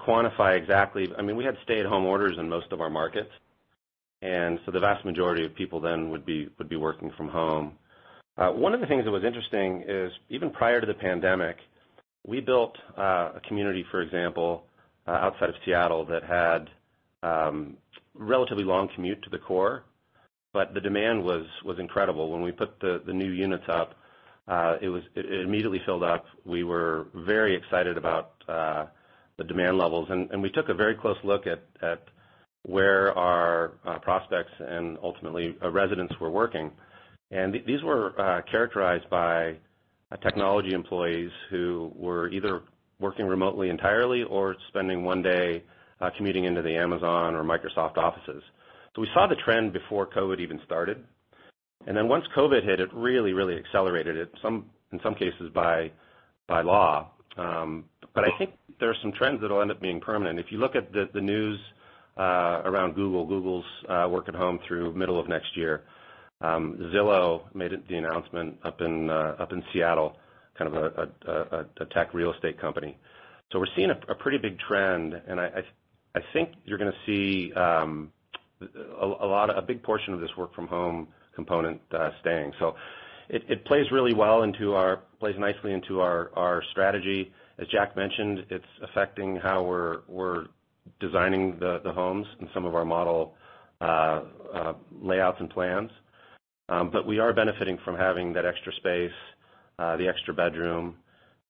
quantify exactly. We had stay-at-home orders in most of our markets. The vast majority of people then would be working from home. One of the things that was interesting is even prior to the pandemic, we built a community, for example, outside of Seattle that had a relatively long commute to the core. The demand was incredible. When we put the new units up, it immediately filled up. We were very excited about the demand levels. We took a very close look at where our prospects and ultimately our residents were working. These were characterized by technology employees who were either working remotely entirely or spending one day commuting into the Amazon or Microsoft offices. We saw the trend before COVID-19 even started. Once COVID-19 hit, it really accelerated it, in some cases by law. I think there are some trends that'll end up being permanent. If you look at the news around Google's work at home through middle of next year. Zillow made the announcement up in Seattle, kind of a tech real estate company. We're seeing a pretty big trend, and I think you're going to see a big portion of this work from home component staying. It plays really nicely into our strategy. As Jack mentioned, it's affecting how we're designing the homes in some of our model layouts and plans. We are benefiting from having that extra space, the extra bedroom,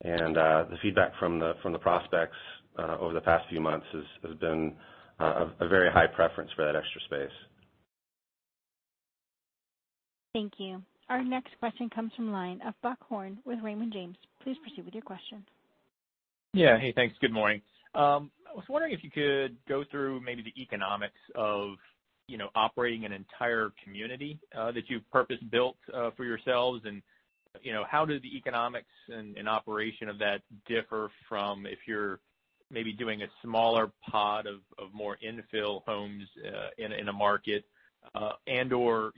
and the feedback from the prospects over the past few months has been a very high preference for that extra space. Thank you. Our next question comes from the line of Buck Horne with Raymond James. Please proceed with your question. Yeah. Hey, thanks. Good morning. I was wondering if you could go through maybe the economics of operating an entire community that you've purpose-built for yourselves, and how do the economics and operation of that differ from if you're maybe doing a smaller pod of more infill homes in a market, and/or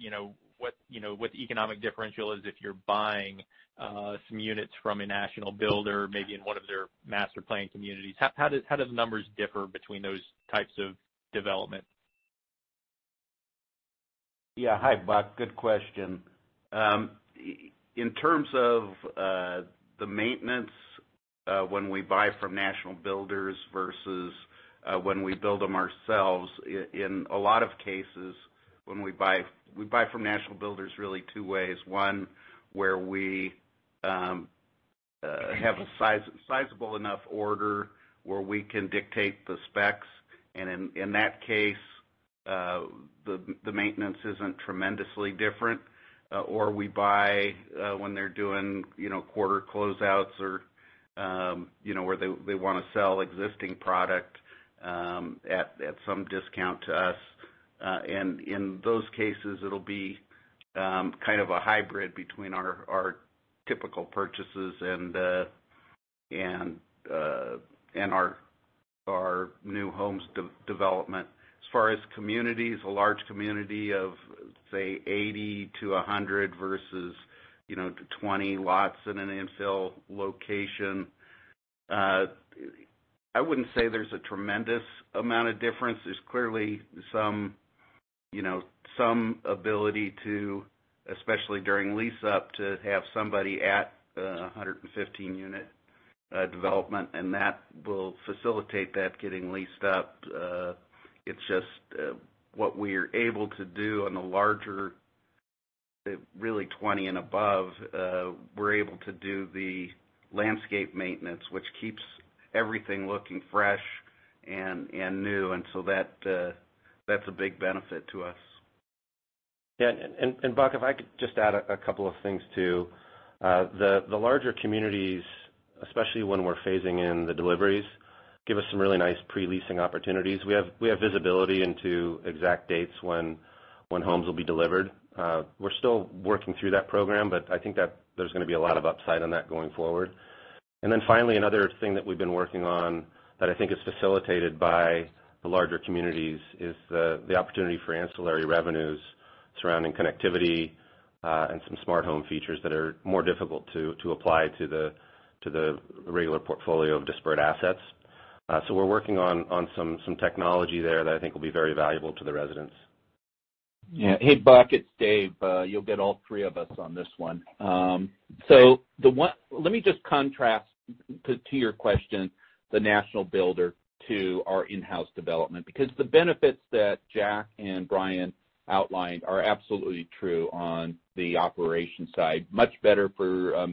what the economic differential is if you're buying some units from a national builder, maybe in one of their master plan communities? How do the numbers differ between those types of development? Hi, Buck. Good question. In terms of the maintenance when we buy from national builders versus when we build them ourselves, in a lot of cases, we buy from national builders really two ways. One, where we have a sizable enough order where we can dictate the specs, and in that case, the maintenance isn't tremendously different. Or we buy when they're doing quarter closeouts or where they want to sell existing product at some discount to us. In those cases, it'll be kind of a hybrid between our typical purchases and our new homes development. As far as communities, a large community of, say, 80 to 100 versus 20 lots in an infill location, I wouldn't say there's a tremendous amount of difference. There's clearly some ability to, especially during lease-up, to have somebody at 115-unit development, and that will facilitate that getting leased up. It's just what we are able to do on a larger, really 20 and above, we're able to do the landscape maintenance, which keeps everything looking fresh and new. That's a big benefit to us. Yeah. Buck, if I could just add a couple of things, too. The larger communities, especially when we're phasing in the deliveries, give us some really nice pre-leasing opportunities. We have visibility into exact dates when homes will be delivered. We're still working through that program, but I think that there's going to be a lot of upside on that going forward. Finally, another thing that we've been working on that I think is facilitated by the larger communities is the opportunity for ancillary revenues surrounding connectivity, and some smart home features that are more difficult to apply to the regular portfolio of disparate assets. We're working on some technology there that I think will be very valuable to the residents. Yeah. Hey, Buck, it's Dave. You'll get all three of us on this one. Let me just contrast to your question, the national builder to our in-house development, because the benefits that Jack and Bryan outlined are absolutely true on the operations side, much better for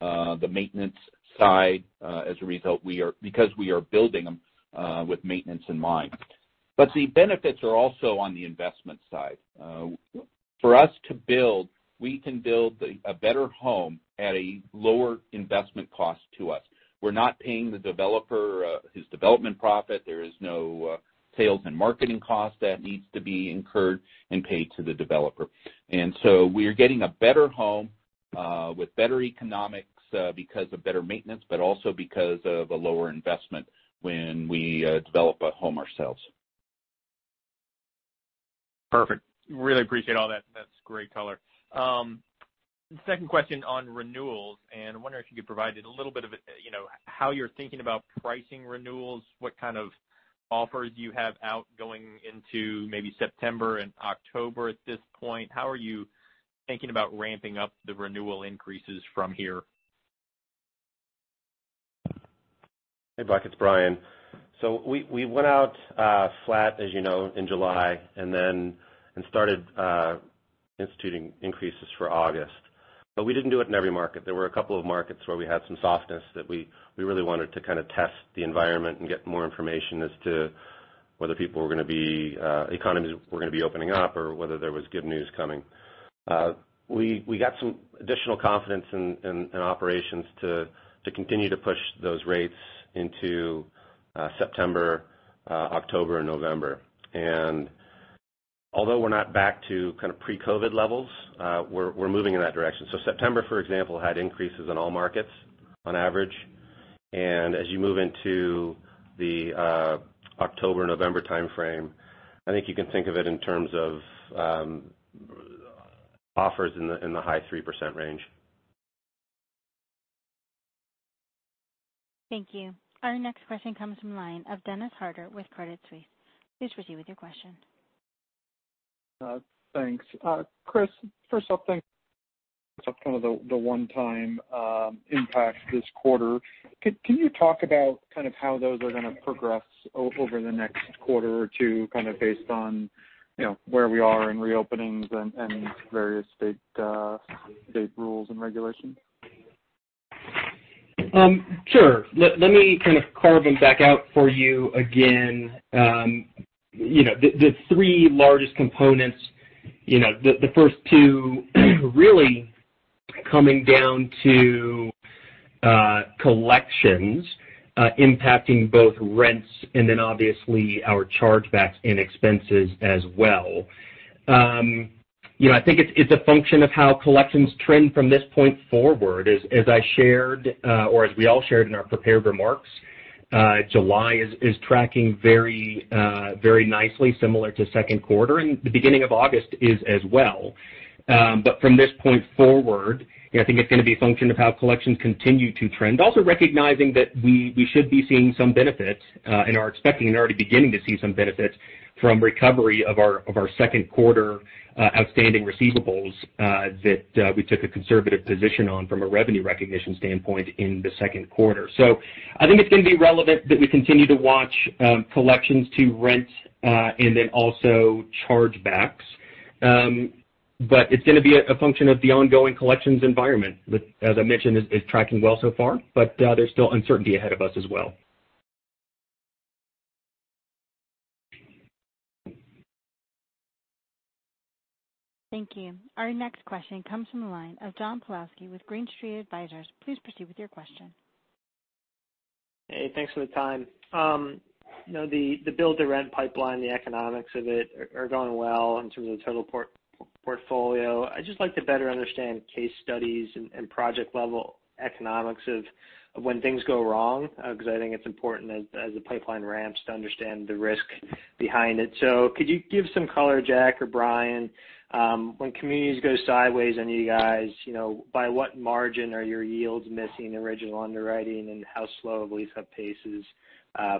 the maintenance side. As a result, because we are building them with maintenance in mind. The benefits are also on the investment side. For us to build, we can build a better home at a lower investment cost to us. We're not paying the developer his development profit. There is no sales and marketing cost that needs to be incurred and paid to the developer. We are getting a better home, with better economics because of better maintenance, but also because of a lower investment when we develop a home ourselves. Perfect. Really appreciate all that. That's great color. Second question on renewals. I'm wondering if you could provide a little bit of how you're thinking about pricing renewals, what kind of offers you have out going into maybe September and October at this point. How are you thinking about ramping up the renewal increases from here? Hey, Buck, it's Bryan. We went out flat, as you know, in July and started instituting increases for August. We didn't do it in every market. There were a couple of markets where we had some softness that we really wanted to kind of test the environment and get more information as to whether economies were going to be opening up or whether there was good news coming. We got some additional confidence in operations to continue to push those rates into September, October, and November. Although we're not back to kind of pre-COVID-19 levels, we're moving in that direction. September, for example, had increases in all markets on average. As you move into the October, November timeframe, I think you can think of it in terms of offers in the high 3% range. Thank you. Our next question comes from the line of Dennis Hardert with Credit Suisse. Please proceed with your question. Thanks. Chris, first up, thanks. Kind of the one time impact this quarter, can you talk about kind of how those are going to progress over the next quarter or two, kind of based on where we are in reopenings and various state rules and regulations? Sure. Let me kind of carve them back out for you again. The three largest components, the first two really coming down to collections, impacting both rents and then obviously our chargebacks and expenses as well. I think it's a function of how collections trend from this point forward. As I shared, or as we all shared in our prepared remarks, July is tracking very nicely, similar to second quarter, and the beginning of August is as well. From this point forward, I think it's going to be a function of how collections continue to trend. Also recognizing that we should be seeing some benefits, and are expecting and already beginning to see some benefits from recovery of our second quarter outstanding receivables that we took a conservative position on from a revenue recognition standpoint in the second quarter. I think it's going to be relevant that we continue to watch collections to rent, and then also chargebacks. It's going to be a function of the ongoing collections environment that, as I mentioned, is tracking well so far, but there's still uncertainty ahead of us as well. Thank you. Our next question comes from the line of John Pawlowski with Green Street Advisors. Please proceed with your question. Hey, thanks for the time. The build-to-rent pipeline, the economics of it are going well in terms of the total portfolio. I'd just like to better understand case studies and project-level economics of when things go wrong, because I think it's important as the pipeline ramps to understand the risk behind it. Could you give some color, Jack or Bryan, when communities go sideways on you guys, by what margin are your yields missing original underwriting and how slow of a lease-up pace is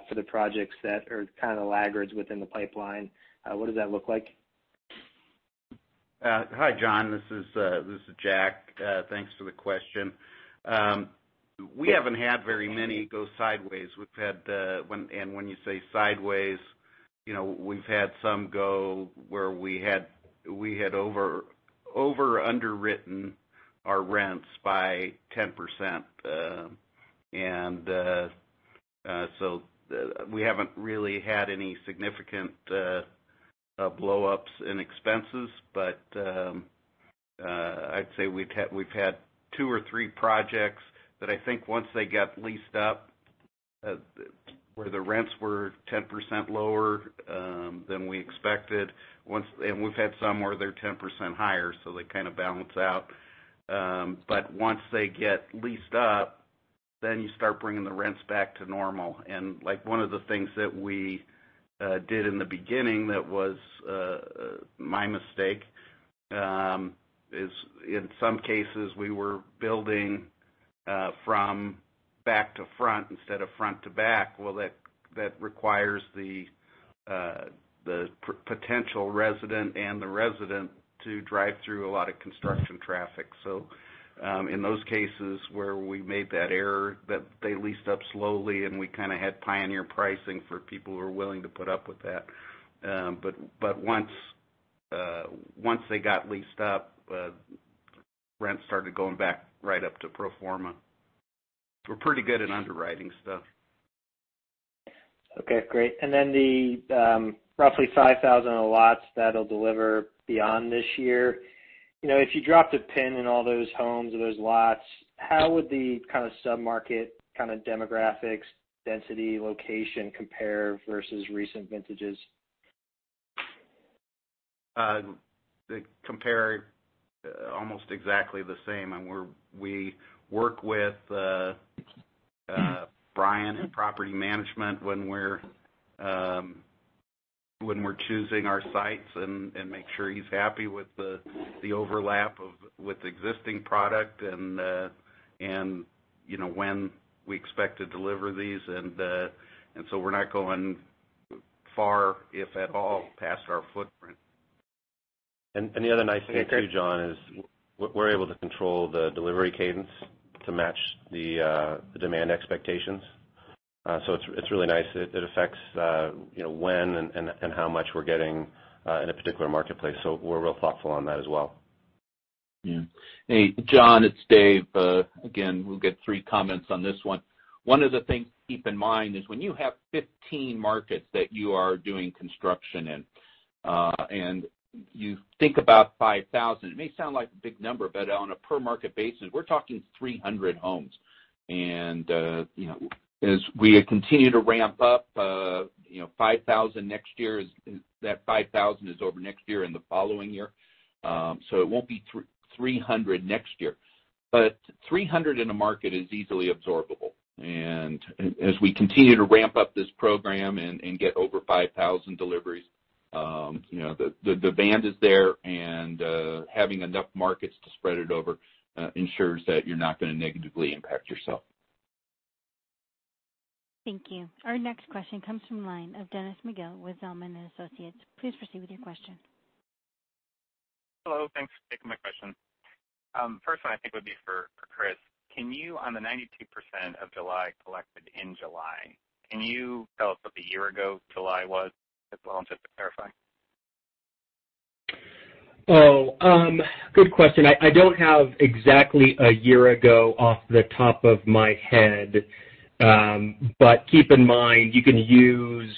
for the projects that are kind of laggards within the pipeline? What does that look like? Hi, John. This is Jack. Thanks for the question. We haven't had very many go sideways. When you say sideways, we've had some go where we had over-underwritten our rents by 10%. We haven't really had any significant blowups in expenses. I'd say we've had two or three projects that I think once they got leased up. Where the rents were 10% lower than we expected. We've had some where they're 10% higher, so they kind of balance out. Once they get leased up, then you start bringing the rents back to normal. One of the things that we did in the beginning, that was my mistake, is in some cases, we were building from back to front instead of front to back. Well, that requires the potential resident and the resident to drive through a lot of construction traffic. In those cases where we made that error, they leased up slowly, and we kind of had pioneer pricing for people who are willing to put up with that. Once they got leased up, rents started going back right up to pro forma. We're pretty good at underwriting stuff. Okay, great. The roughly 5,000 lots that'll deliver beyond this year. If you dropped a pin in all those homes or those lots, how would the kind of sub-market kind of demographics, density, location compare versus recent vintages? They compare almost exactly the same. We work with Bryan in property management when we're choosing our sites and make sure he's happy with the overlap with existing product and when we expect to deliver these. We're not going far, if at all, past our footprint. The other nice thing too, John, is we're able to control the delivery cadence to match the demand expectations. It's really nice. It affects when and how much we're getting in a particular marketplace. We're real thoughtful on that as well. Yeah. Hey, John, it's Dave. Again, we'll get three comments on this one. One of the things to keep in mind is when you have 15 markets that you are doing construction in, and you think about 5,000, it may sound like a big number, but on a per market basis, we're talking 300 homes. As we continue to ramp up, that 5,000 is over next year and the following year. It won't be 300 next year. 300 in a market is easily absorbable. As we continue to ramp up this program and get over 5,000 deliveries, the band is there and having enough markets to spread it over ensures that you're not going to negatively impact yourself. Thank you. Our next question comes from the line of Dennis McGill with Zelman & Associates. Please proceed with your question. Hello. Thanks for taking my question. First one I think would be for Chris. On the 92% of July collected in July, can you tell us what the year ago July was as well, just to clarify? Good question. I don't have exactly a year ago off the top of my head. Keep in mind, you can use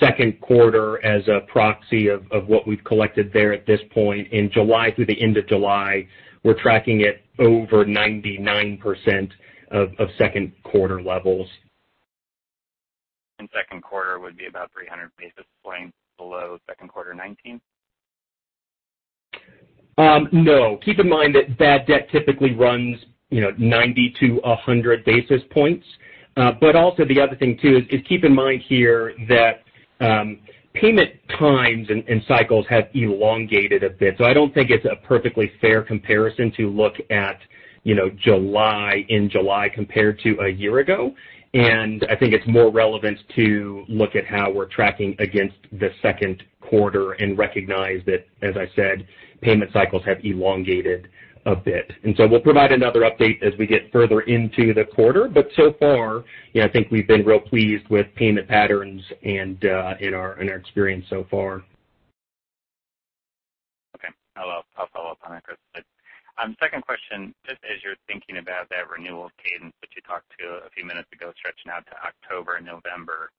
second quarter as a proxy of what we've collected there at this point. In July, through the end of July, we're tracking at over 99% of second quarter levels. second quarter would be about 300 basis points below second quarter 2019? No. Keep in mind that bad debt typically runs 90-100 basis points. Also the other thing too is keep in mind here that payment times and cycles have elongated a bit. I don't think it's a perfectly fair comparison to look at July in July compared to a year ago. I think it's more relevant to look at how we're tracking against the second quarter and recognize that, as I said, payment cycles have elongated a bit. So far, I think we've been real pleased with payment patterns and in our experience so far. Okay. I'll follow up on that, Chris. Second question, just as you're thinking about that renewal cadence that you talked to a few minutes ago, stretching out to October, November,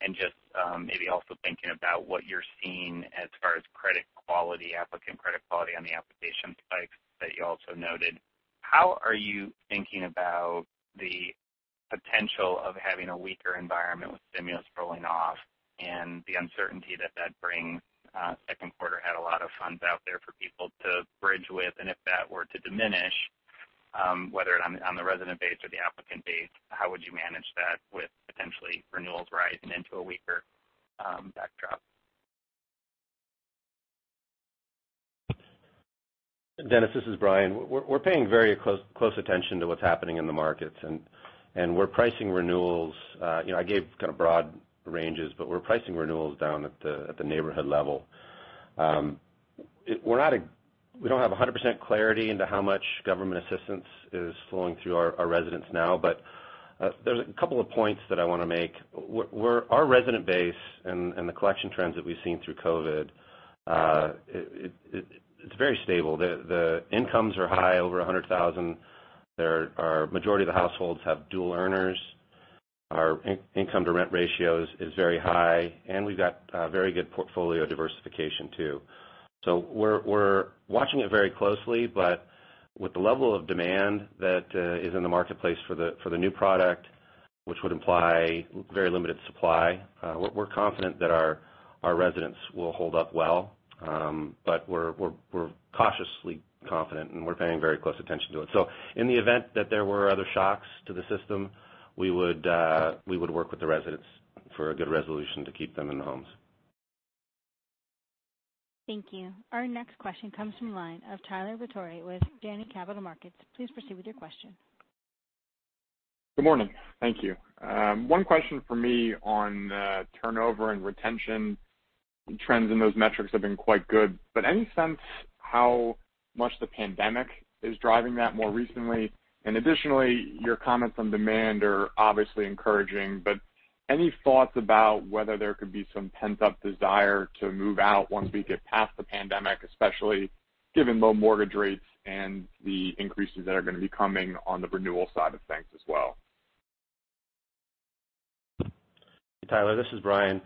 and just maybe also thinking about what you're seeing as far as credit quality, applicant credit quality on the application spikes that you also noted. How are you thinking about the potential of having a weaker environment with stimulus rolling off and the uncertainty that that brings? Second quarter had a lot of funds out there for people to bridge with. If that were to diminish, whether on the resident base or the applicant base, how would you manage that with potentially renewals rising into a weaker backdrop? Dennis, this is Bryan. We're paying very close attention to what's happening in the markets, we're pricing renewals. I gave kind of broad ranges, we're pricing renewals down at the neighborhood level. We don't have 100% clarity into how much government assistance is flowing through our residents now, there's a couple of points that I want to make. Our resident base and the collection trends that we've seen through COVID, it's very stable. The incomes are high, over 100,000. Majority of the households have dual earners. Our income to rent ratios is very high, we've got very good portfolio diversification too. We're watching it very closely, with the level of demand that is in the marketplace for the new product, which would imply very limited supply, we're confident that our residents will hold up well. We're cautiously confident, and we're paying very close attention to it. In the event that there were other shocks to the system, we would work with the residents for a good resolution to keep them in the homes. Thank you. Our next question comes from the line of Tyler Batory with Janney Montgomery Scott. Please proceed with your question. Good morning. Thank you. One question from me on turnover and retention. Trends in those metrics have been quite good. Any sense how much the pandemic is driving that more recently? Additionally, your comments on demand are obviously encouraging, but any thoughts about whether there could be some pent-up desire to move out once we get past the pandemic, especially given low mortgage rates and the increases that are going to be coming on the renewal side of things as well? Tyler, this is Bryan.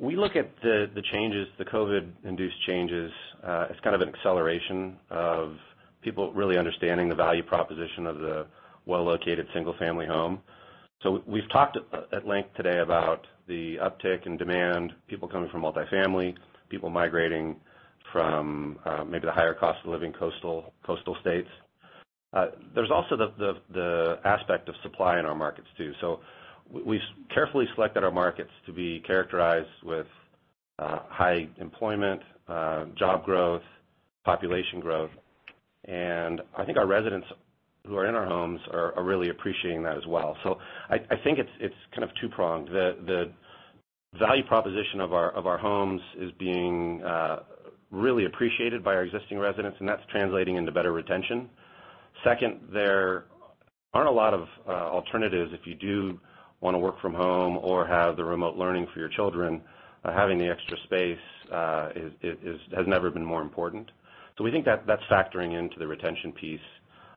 We look at the COVID-induced changes as kind of an acceleration of people really understanding the value proposition of the well-located single-family home. We've talked at length today about the uptick in demand, people coming from multi-family, people migrating from maybe the higher cost of living coastal states. There's also the aspect of supply in our markets, too. We carefully selected our markets to be characterized with high employment, job growth, population growth, and I think our residents who are in our homes are really appreciating that as well. I think it's kind of two-pronged. The value proposition of our homes is being really appreciated by our existing residents, and that's translating into better retention. Second, there aren't a lot of alternatives if you do want to work from home or have the remote learning for your children. Having the extra space has never been more important. We think that's factoring into the retention piece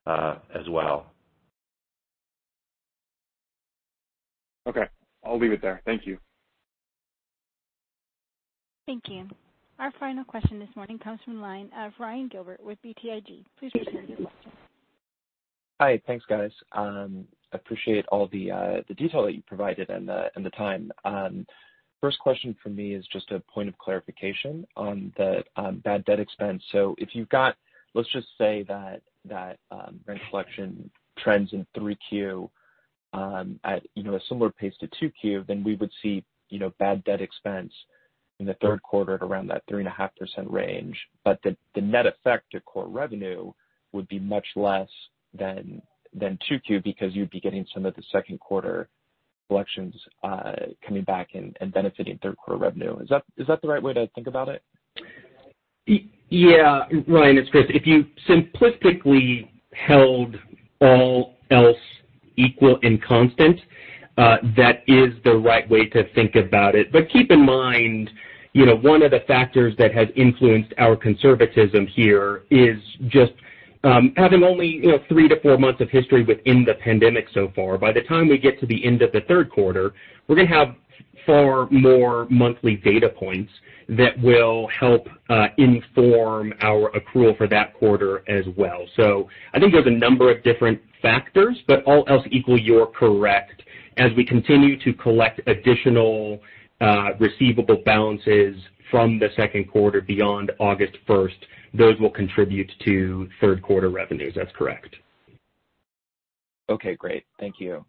as well. Okay. I'll leave it there. Thank you. Thank you. Our final question this morning comes from the line of Ryan Gilbert with BTIG. Please proceed with your question. Hi. Thanks, guys. Appreciate all the detail that you provided and the time. First question from me is just a point of clarification on the bad debt expense. If you've got, let's just say that rent collection trends in 3Q at a similar pace to 2Q, then we would see bad debt expense in the third quarter at around that 3.5% range. The net effect to core revenue would be much less than 2Q because you'd be getting some of the second quarter collections coming back and benefiting third quarter revenue. Is that the right way to think about it? Yeah. Ryan, it's Chris. If you simplistically held all else equal and constant, that is the right way to think about it. Keep in mind, one of the factors that has influenced our conservatism here is just having only three to four months of history within the pandemic so far. By the time we get to the end of the third quarter, we're going to have far more monthly data points that will help inform our accrual for that quarter as well. I think there's a number of different factors, but all else equal, you're correct. As we continue to collect additional receivable balances from the second quarter beyond August 1st, those will contribute to third quarter revenues. That's correct. Okay, great. Thank you.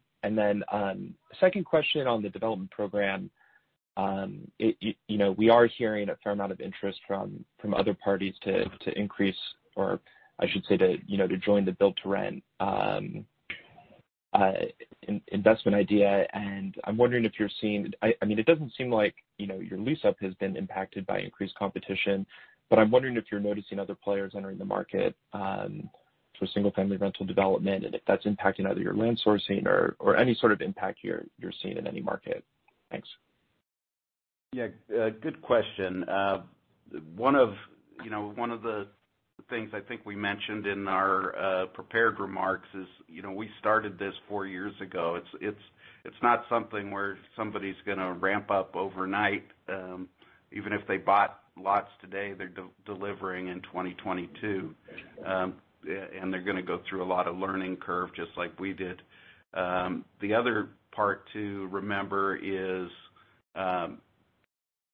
Second question on the development program. We are hearing a fair amount of interest from other parties to increase, or I should say, to join the build-to-rent investment idea. I'm wondering if you're seeing, it doesn't seem like your lease-up has been impacted by increased competition. I'm wondering if you're noticing other players entering the market for single-family rental development and if that's impacting either your land sourcing or any sort of impact you're seeing in any market. Thanks. Yeah. Good question. One of the things I think we mentioned in our prepared remarks is we started this four years ago. It's not something where somebody's going to ramp up overnight. Even if they bought lots today, they're delivering in 2022. They're going to go through a lot of learning curve, just like we did. The other part to remember is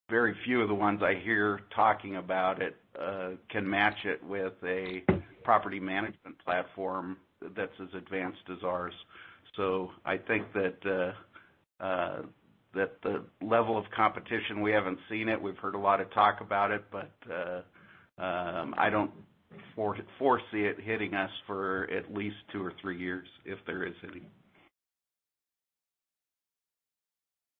very few of the ones I hear talking about it can match it with a property management platform that's as advanced as ours. I think that the level of competition, we haven't seen it. We've heard a lot of talk about it, but I don't foresee it hitting us for at least two or three years, if there is any.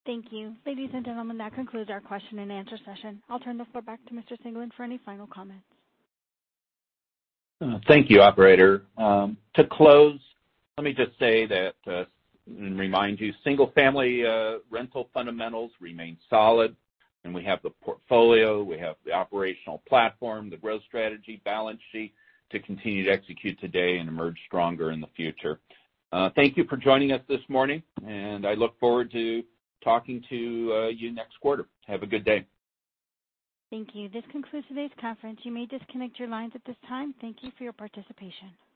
Thank you. Ladies and gentlemen, that concludes our question and answer session. I'll turn the floor back to Mr. Singelyn for any final comments. Thank you, operator. To close, let me just say that and remind you, single-family rental fundamentals remain solid, and we have the portfolio, we have the operational platform, the growth strategy, balance sheet to continue to execute today and emerge stronger in the future. Thank you for joining us this morning, and I look forward to talking to you next quarter. Have a good day. Thank you. This concludes today's conference. You may disconnect your lines at this time. Thank you for your participation.